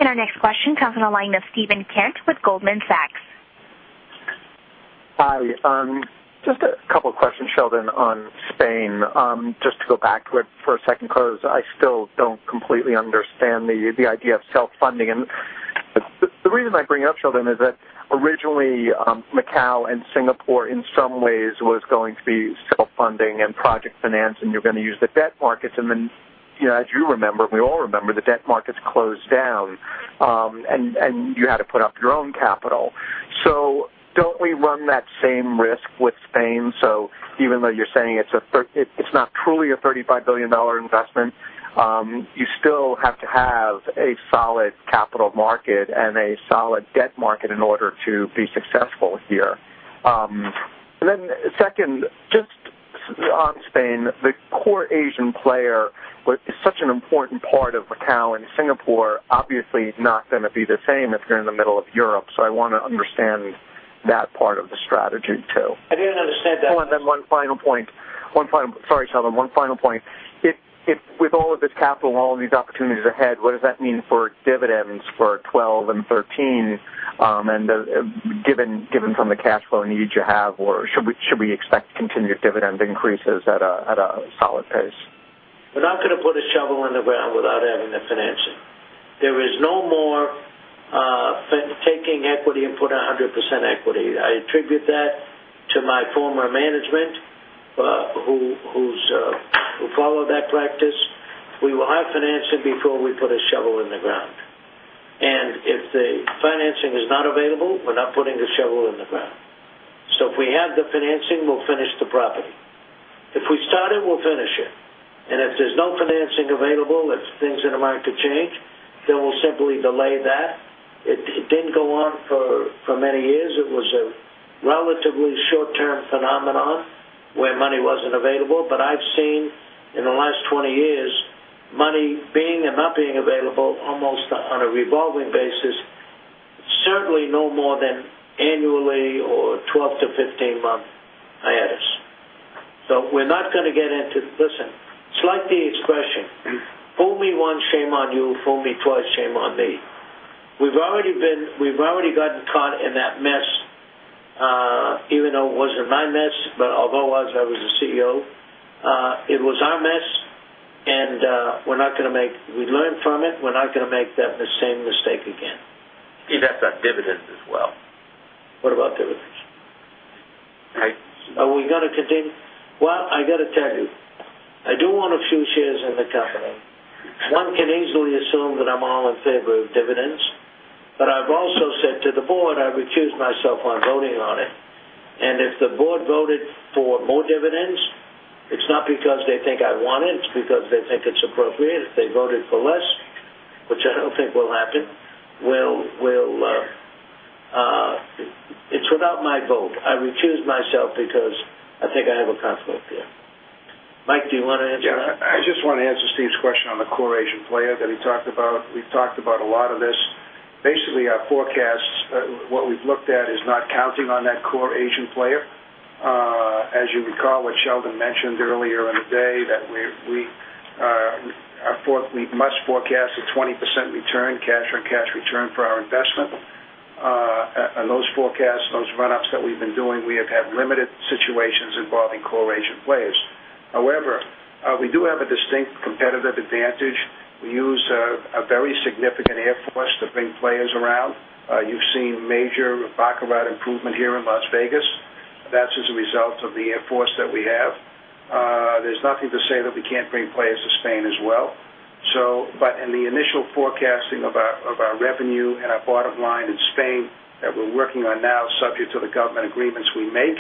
Our next question comes from the line of Steven Kent with Goldman Sachs. Hi. Just a couple of questions, Sheldon, on Spain. Just to go back to it for a second, I still don't completely understand the idea of self-funding. The reason I bring it up, Sheldon, is that originally, Macau and Singapore in some ways were going to be self-funding and project finance, and you were going to use the debt markets. As you remember, and we all remember, the debt markets closed down, and you had to put up your own capital. Don't we run that same risk with Spain? Even though you're saying it's not truly a $35 billion investment, you still have to have a solid capital market and a solid debt market in order to be successful here. Second, just on Spain, the core Asian player was such an important part of Macau and Singapore, obviously not going to be the same if you're in the middle of Europe. I want to understand that part of the strategy too. I didn't understand that. Oh, and then one final point. Sorry, Sheldon. One final point. If with all of this capital and all of these opportunities ahead, what does that mean for dividends for 2012 and 2013, given some of the cash flow needed you have? Should we expect continued dividend increases at a solid pace? We're not going to put a shovel in the ground without adding the financing. There is no more taking equity and put out 100% equity. I attribute that to my former management, who followed that practice. We will have financing before we put a shovel in the ground. If the financing is not available, we're not putting the shovel in the ground. If we have the financing, we'll finish the property. If we start it, we'll finish it. If there's no financing available, if things in the market change, then we'll simply delay that. It didn't go on for many years. It was a relatively short-term phenomenon where money wasn't available. I've seen in the last 20 years, money being and not being available almost on a revolving basis, certainly no more than annually or 12-15 month hiatus. We're not going to get into, listen, it's like the expression, "Fool me once, shame on you. Fool me twice, shame on me." We've already gotten caught in that mess, even though it wasn't my mess, but although it was, I was the CEO. It was our mess, and we learned from it. We're not going to make that same mistake again. You've got dividends as well. What about dividends? Oh, we got to continue. I got to tell you, I do own a few shares in the company. One can easily assume that I'm all in favor of dividends, but I've also said to the board I've recused myself of voting on it. If the board voted for more dividends, it's not because they think I want it. It's because they think it's appropriate. If they voted for less, which I don't think will happen, it's without my vote. I've recused myself because I think I have a conflict there. Mike, do you want to answer that? I just want to answer Steve's question on the core Asian player that he talked about. We've talked about a lot of this. Basically, our forecasts, what we've looked at is not counting on that core Asian player. As you recall, what Sheldon mentioned earlier in the day, that we must forecast a 20% return, cash on cash return for our investment. Those forecasts, those run-ups that we've been doing, we have had limited situations involving core Asian players. However, we do have a distinct competitive advantage. We use a very significant air force to bring players around. You've seen major baccarat improvement here in Las Vegas. That's as a result of the air force that we have. There's nothing to say that we can't bring players to Spain as well. In the initial forecasting of our revenue and our bottom line in Spain that we're working on now, subject to the government agreements we make,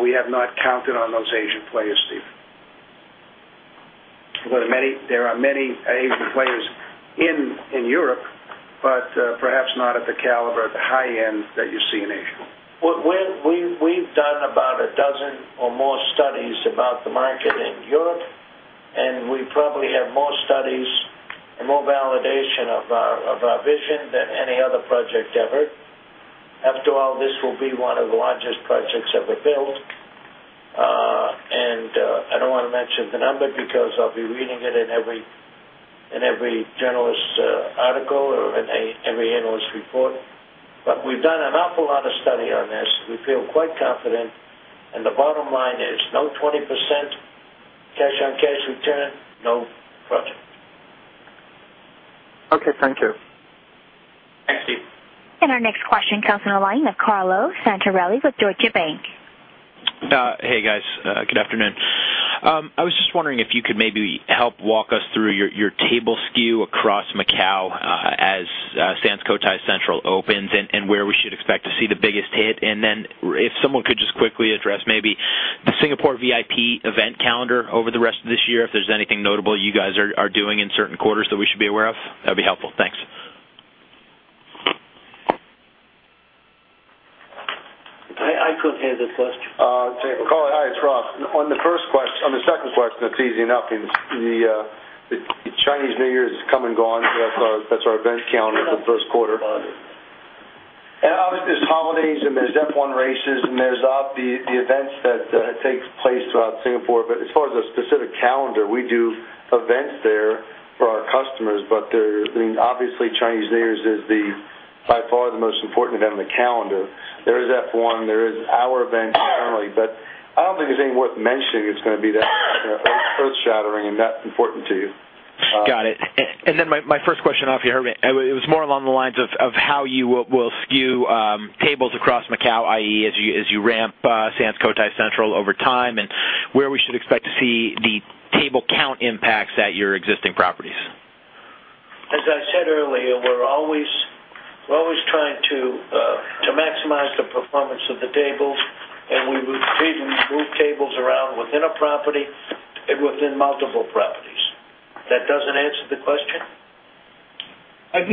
we have not counted on those Asian players, Steve. There are many Asian players in Europe, perhaps not at the caliber, at the high end that you see in Asia. We've done about a dozen or more studies about the market in Europe, and we probably have more studies and more validation of our vision than any other project ever. After all, this will be one of the largest projects of the field. I don't want to mention the number because I'll be reading it in every journalist article or in every analyst report. We've done an awful lot of study on this. We feel quite confident. The bottom line is no 20% cash on cash return, no project. Okay, thank you. Our next question comes from a line of Carlo Santarelli with Deutsche Bank. Hey, guys. Good afternoon. I was just wondering if you could maybe help walk us through your table skew across Macau, as Sands Cotai Central opens and where we should expect to see the biggest hit. If someone could just quickly address maybe the Singapore VIP event calendar over the rest of this year, if there's anything notable you guys are doing in certain quarters that we should be aware of, that'd be helpful. Thanks. I couldn't hear the first. Carlo, hi. It's Rob. On the first question, on the second question, it's easy enough. The Chinese New Year's has come and gone. That's our events calendar for the first quarter. There are holidays, and there are F1 races, and there are all the events that take place throughout Singapore. As far as a specific calendar, we do events there for our customers. Obviously, Chinese New Year's is by far the most important event in the calendar. There is F1. There is our event, but I don't think there's anything worth mentioning that's going to be that important to you. Got it. My first question, you heard me, it was more along the lines of how you will skew tables across Macau, i.e., as you ramp Sands Cotai Central over time and where we should expect to see the table count impacts at your existing properties. As I said earlier, we're always trying to maximize the performance of the tables, and we rotate and move tables around within a property and within multiple properties. That doesn't answer the question?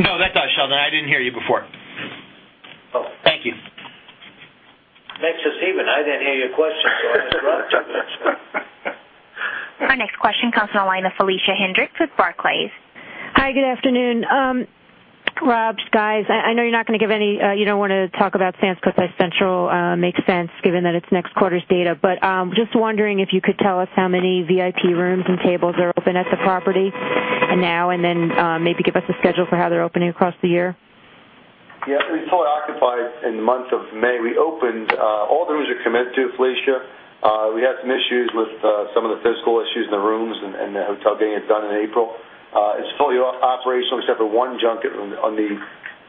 No, that does, Sheldon. I didn't hear you before. Oh, thank you. Next, Stephen, I didn't hear your question, so I just want to touch base. Our next question comes from the line of Felicia Hendrix with Barclays. Hi, good afternoon. Rob, I know you're not going to give any, you don't want to talk about Sands Cotai Central, makes sense given that it's next quarter's data, but just wondering if you could tell us how many VIP rooms and tables are open at the property now and then maybe give us a schedule for how they're opening across the year? Yeah. We were fully occupied in the month of May. We opened, all the rooms are commenced to, Felicia. We had some issues with some of the fiscal issues in the rooms and the hotel getting it done in April. It's fully operational except for one junket. On the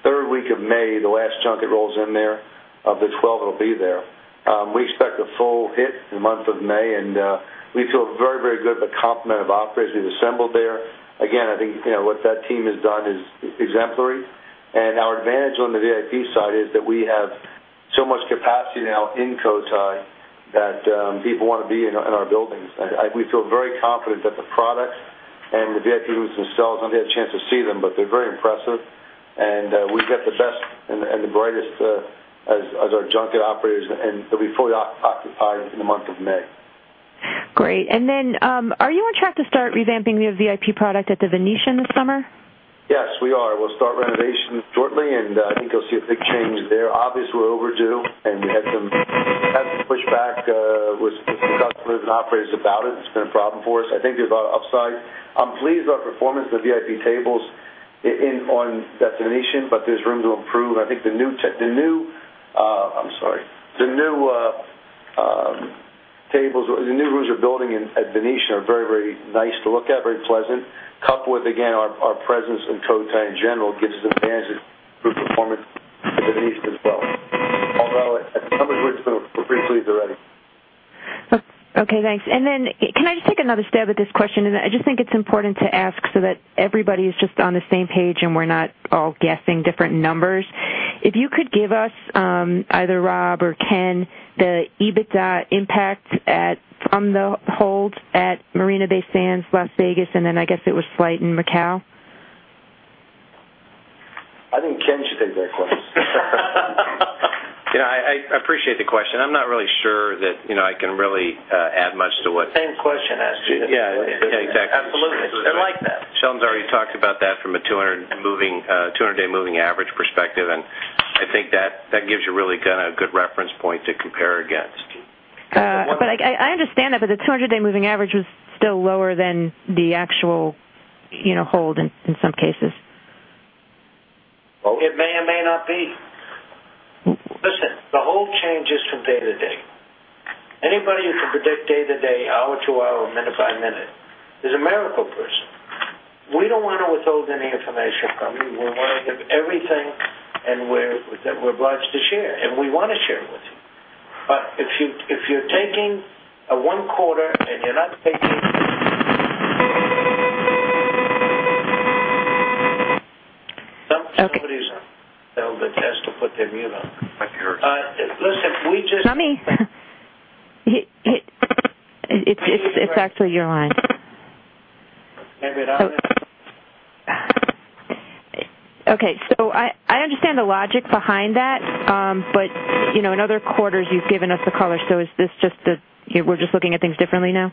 third week of May, the last junket rolls in there of the 12 that'll be there. We expect a full hit in the month of May, and we feel very, very good about the complement of operators we've assembled there. I think what that team has done is exemplary. Our advantage on the VIP side is that we have so much capacity now in Cotai that people want to be in our buildings. We feel very confident that the product and the VIP rooms themselves, I don't think I had a chance to see them, but they're very impressive. We've got the best and the brightest as our junket operators, and they'll be fully occupied in the month of May. Great. Are you on track to start revamping your VIP product at The Venetian this summer? Yes, we are. We'll start renovation shortly, and I think you'll see a big change there. Obviously, we're overdue, and you had some pushback with some customers and operators about it. It's been a problem for us. I think there's a lot of upside. I'm pleased with our performance in the VIP tables in, in on that Venetian, but there's room to improve. I think the new tech, the new, I'm sorry, the new tables, the new rooms you're building in at Venetian are very, very nice to look at, very pleasant. Coupled with, again, our presence in Cotai in general gives us an advantage of improved performance. Okay. Thanks. Can I just take another stab at this question? I just think it's important to ask so that everybody is on the same page and we're not all guessing different numbers. If you could give us, either Rob or Ken, the EBITDA impact from the hold at Marina Bay Sands, Las Vegas, and then I guess it was flight in Macau? I think Ken should take that question. I appreciate the question. I'm not really sure that I can really add much to what. Same question asked you? Yeah, yeah, exactly. Absolutely. I like that. Sheldon’s already talked about that from a 200-day moving average perspective, and I think that gives you really kind of a good reference point to compare against. I understand that, but the 200-day moving average was still lower than the actual, you know, hold in, in some cases. It may or may not be. Listen, the whole change is from day to day. Anybody who can predict day to day, hour to hour, minute by minute, is a miracle person. We do not want to withhold any information from him. We want to give everything that we are blessed to share, and we want to share it with you. If you are taking one quarter and you are not taking. Okay. Somebody's out. It'd be best to put their mute on. I can hear it. Listen, we just. It's just, it's actually your line. I understand the logic behind that, but, you know, in other quarters, you've given us the color. Is this just the, you know, we're just looking at things differently now?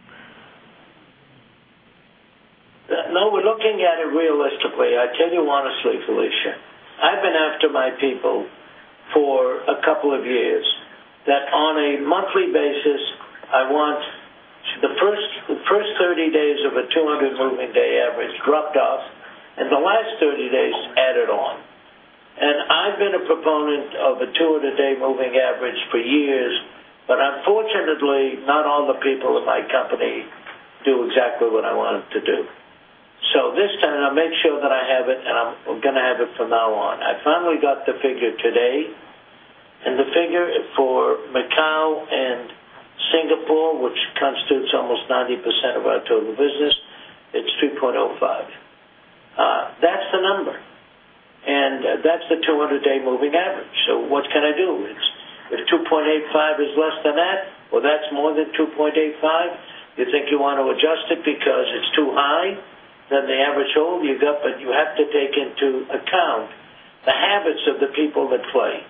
No, we're looking at it realistically. I tell you honestly, Felicia, I've been after my people for a couple of years that on a monthly basis, I want the first, the first 30 days of a 200-day moving average dropped off, and the last 30 days added on. I've been a proponent of a 200-day moving average for years, but unfortunately, not all the people in my company do exactly what I want them to do. This time, I'll make sure that I have it, and I'm going to have it from now on. I finally got the figure today, and the figure for Macau and Singapore, which constitutes almost 90% of our total business, it's 3.05%. That's the number. That's the 200-day moving average. What can I do? If 2.85% is less than that, or that's more than 2.85%, you think you want to adjust it because it's too high than the average hold, you have to take into account the habits of the people that play.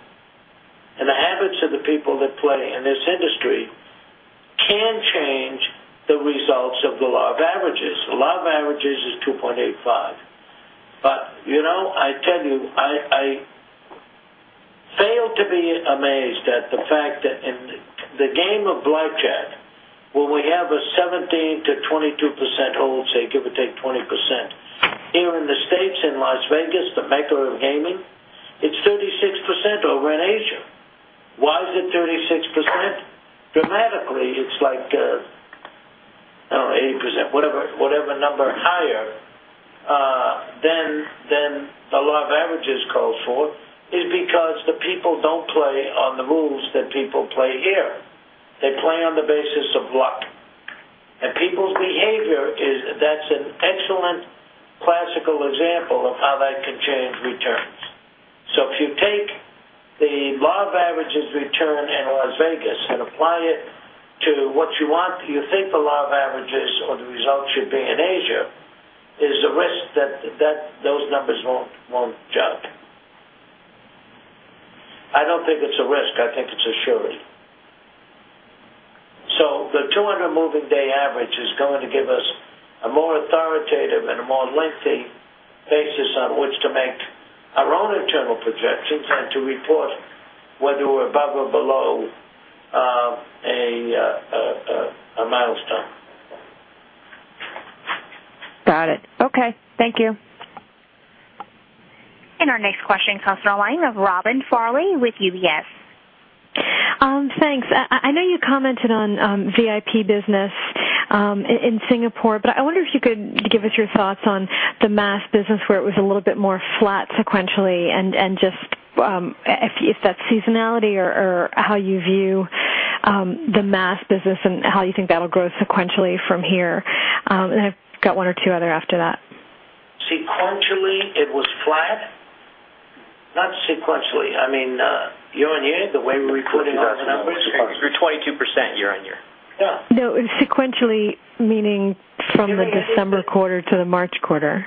The habits of the people that play in this industry can change the results of the law of averages. The law of averages is 2.85%. I tell you, I failed to be amazed at the fact that in the game of baccarat, when we have a 17%-22% hold, say, give or take 20%, here in the States in Las Vegas, the maker of gaming, it's 36% over in Asia. Why is it 36%? Dramatically, it's like, oh, 80%. Whatever number higher than the law of averages calls for is because the people don't play on the rules that people play here. They play on the basis of luck. People's behavior is, that's an excellent classical example of how that can change returns. If you take the law of averages return in Las Vegas and apply it to what you want, you think the law of averages or the results should be in Asia, is the risk that those numbers won't jump? I don't think it's a risk. I think it's a surety. The 200-day moving average is going to give us a more authoritative and a more lengthy basis on which to make our own internal projections and to report whether we're above or below a milestone. Got it. Okay, thank you. Our next question comes from the line of Robin Farley with UBS. Thanks. I know you commented on VIP business in Singapore, but I wonder if you could give us your thoughts on the mass business where it was a little bit more flat sequentially, and just if that's seasonality or how you view the mass business and how you think that'll grow sequentially from here. I've got one or two other after that. Sequentially, it was flat. Year-on-year, the way we recorded those numbers? Yeah, we're 22% year-on-year. No. Sequentially, meaning from the December quarter to the March quarter.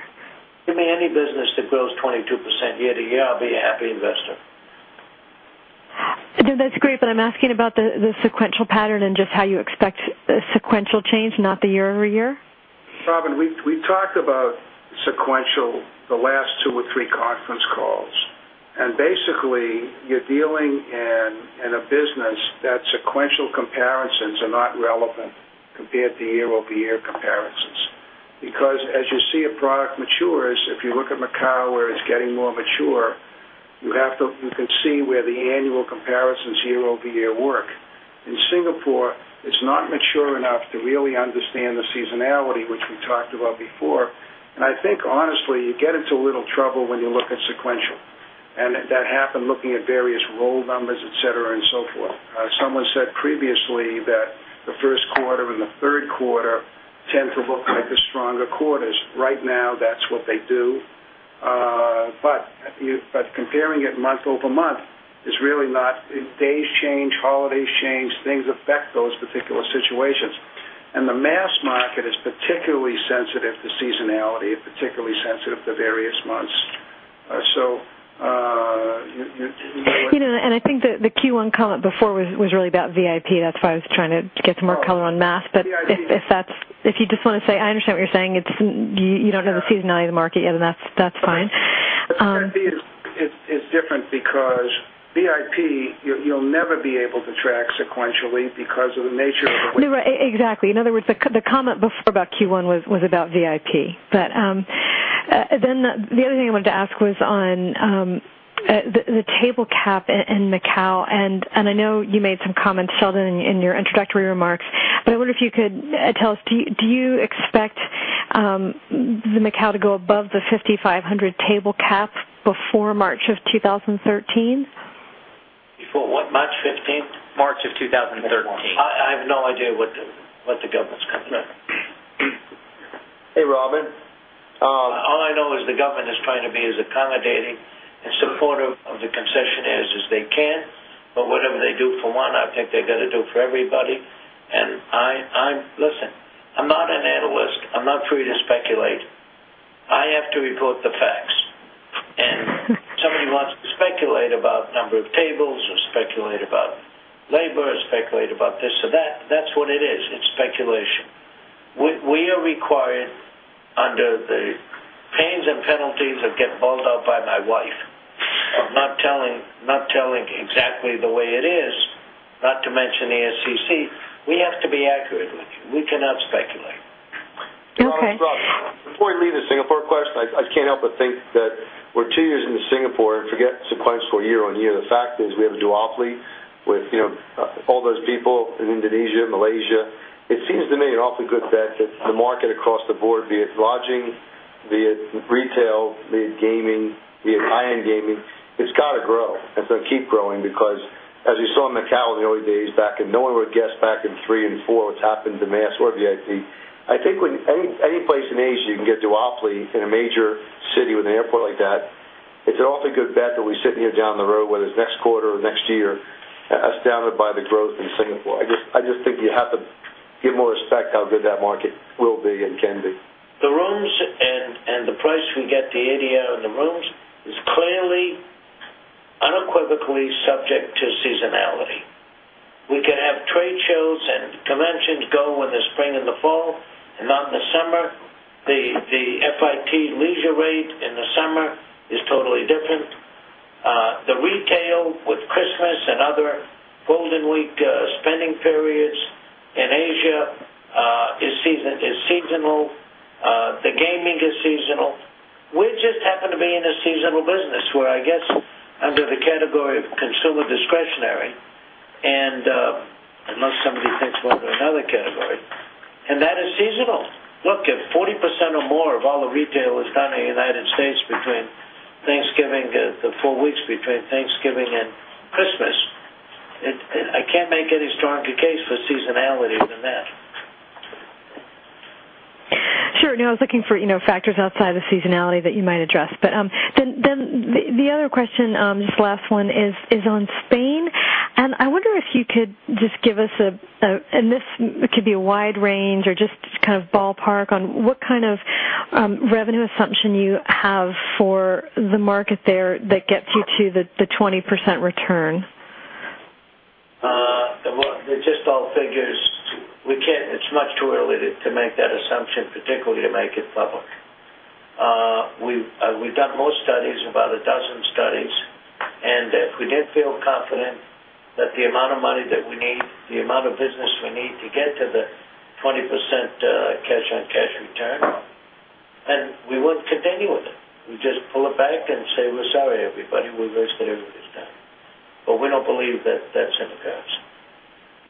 To me, any business that grows 22% year-to-year, I'll be a happy investor. No, that's great, but I'm asking about the sequential pattern and just how you expect sequential change, not the year-over-year. Robin, we talked about sequential the last two or three conference calls. Basically, you're dealing in a business that sequential comparisons are not relevant compared to year-over-year comparisons because as you see, a product matures. If you look at Macau where it's getting more mature, you can see where the annual comparisons year-over-year work. In Singapore, it's not mature enough to really understand the seasonality, which we talked about before. I think, honestly, you get into a little trouble when you look at sequential. That happened looking at various roll numbers, etc., and so forth. Someone said previously that the first quarter and the third quarter tend to look like the stronger quarters. Right now, that's what they do. Comparing it month over month is really not, days change, holidays change, things affect those particular situations. The mass market is particularly sensitive to seasonality and particularly sensitive to various months. Thank you. I think that the Q1 comment before was really about VIP. That's why I was trying to get some more color on mass. If you just want to say, I understand what you're saying. You don't know the seasonality of the market yet, and that's fine. It's different because VIP, you'll never be able to track sequentially because of the nature of it. Exactly. In other words, the comment before about Q1 was about VIP. The other thing I wanted to ask was on the table cap in Macau. I know you made some comments, Sheldon, in your introductory remarks, but I wonder if you could tell us, do you expect Macau to go above the 5,500 table cap before March of 2013? Before what? March 15? March of 2013. I have no idea what the government's going to do. Hey, Robin. All I know is the government is trying to be as accommodating and supportive of the concessionaries as they can. Whatever they do for one, I think they got to do for everybody. I'm not an analyst. I'm not free to speculate. I have to report the facts. If somebody wants to speculate about the number of tables or speculate about labor or speculate about this or that, that's what it is. It's speculation. We are required under the pains and penalties that get bawled out by my wife of not telling exactly the way it is, not to mention the SEC. We have to be accurate with you. We cannot speculate. Okay. I'm going to lead the Singapore question. I can't help but think that we're two years into Singapore and forget sequence for year on year. The fact is we have a duopoly with all those people in Indonesia, Malaysia. It seems to me an awfully good fit that the market across the board, be it lodging, be it retail, be it gaming, be it high-end gaming, it's got to grow. It's going to keep growing because as we saw in Macau in the early days back in, no one would guess back in 2003 and 2004 what's happened to mass or VIP. I think when any place in Asia, you can get duopoly in a major city with an airport like that, it's an awfully good bet that we sit near down the road, whether it's next quarter or next year, astounded by the growth in Singapore. I just think you have to give more respect to how good that market will be and can be. The rooms and the price we can get the ADR on the rooms is clearly, unequivocally subject to seasonality. We can have trade shows and conventions go in the spring and the fall and not in the summer. The FIT leisure rate in the summer is totally different. The retail with Christmas and other Golden Week spending periods in Asia is seasonal. The gaming is seasonal. We just happen to be in a seasonal business where, I guess, under the category of consumer discretionary, and unless somebody thinks about another category, and that is seasonal. Look, if 40% or more of all the retail is done in the U.S. between Thanksgiving, the four weeks between Thanksgiving and Christmas, I can't make any stronger case for seasonality than that. Sure. No, I was looking for factors outside of the seasonality that you might address. The other question, this last one, is on Spain. I wonder if you could just give us a, and this could be a wide range or just kind of ballpark on what kind of revenue assumption you have for the market there that gets you to the 20% return. It is just all figures. It is much too early to make that assumption, particularly to make it public. We have done more studies, about a dozen studies, and if we did feel confident that the amount of money that we need, the amount of business we need to get to the 20% cash-on-cash return, we would not continue with it. We would just pull it back and say, "We are sorry, everybody. We wish that everybody is done." We do not believe that is in the past.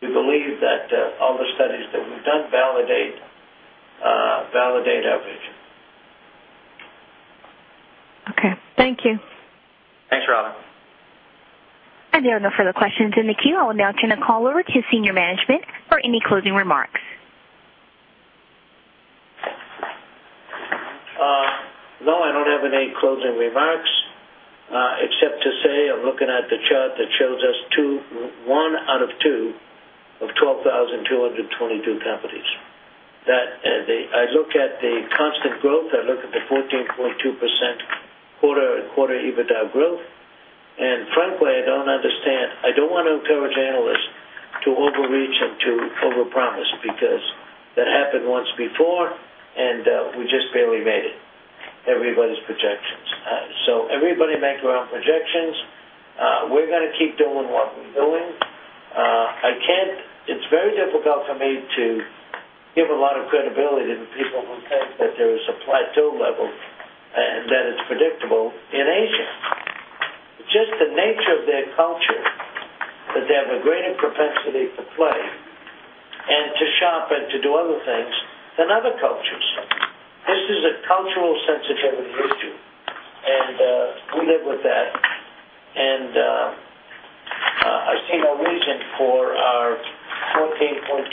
We believe that all the studies that we have done validate our vision. Okay, thank you. Thanks, Robin. There are no further questions in the queue. I will now turn the call over to Senior Management for any closing remarks. No, I don't have any closing remarks except to say I'm looking at the chart that shows us one out of two of 12,222 companies. I look at the constant growth. I look at the 14.2% quarter EBITDA growth. Frankly, I don't understand. I don't want to encourage analysts to overreach and to overpromise because that happened once before, and we just barely made it, everybody's projections. Everybody make their own projections. We're going to keep doing what we're doing. I can't, it's very difficult for me to give a lot of credibility to the people who think that there is a plateau level and that it's predictable in Asia. It's just the nature of their culture that they have a greater propensity to play and to shop and to do other things than other cultures. This is a cultural sensitivity issue. We live with that. I see no reason for our 14.2%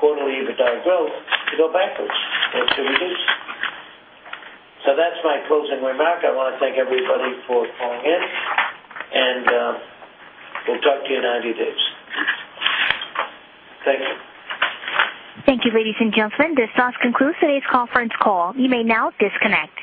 quarterly EBITDA growth to go backwards. That's the reason. That's my closing remark. I want to thank everybody for calling in. We'll talk to you in 90 days. Thank you. Thank you, ladies and gentlemen. This does conclude today's conference call. You may now disconnect.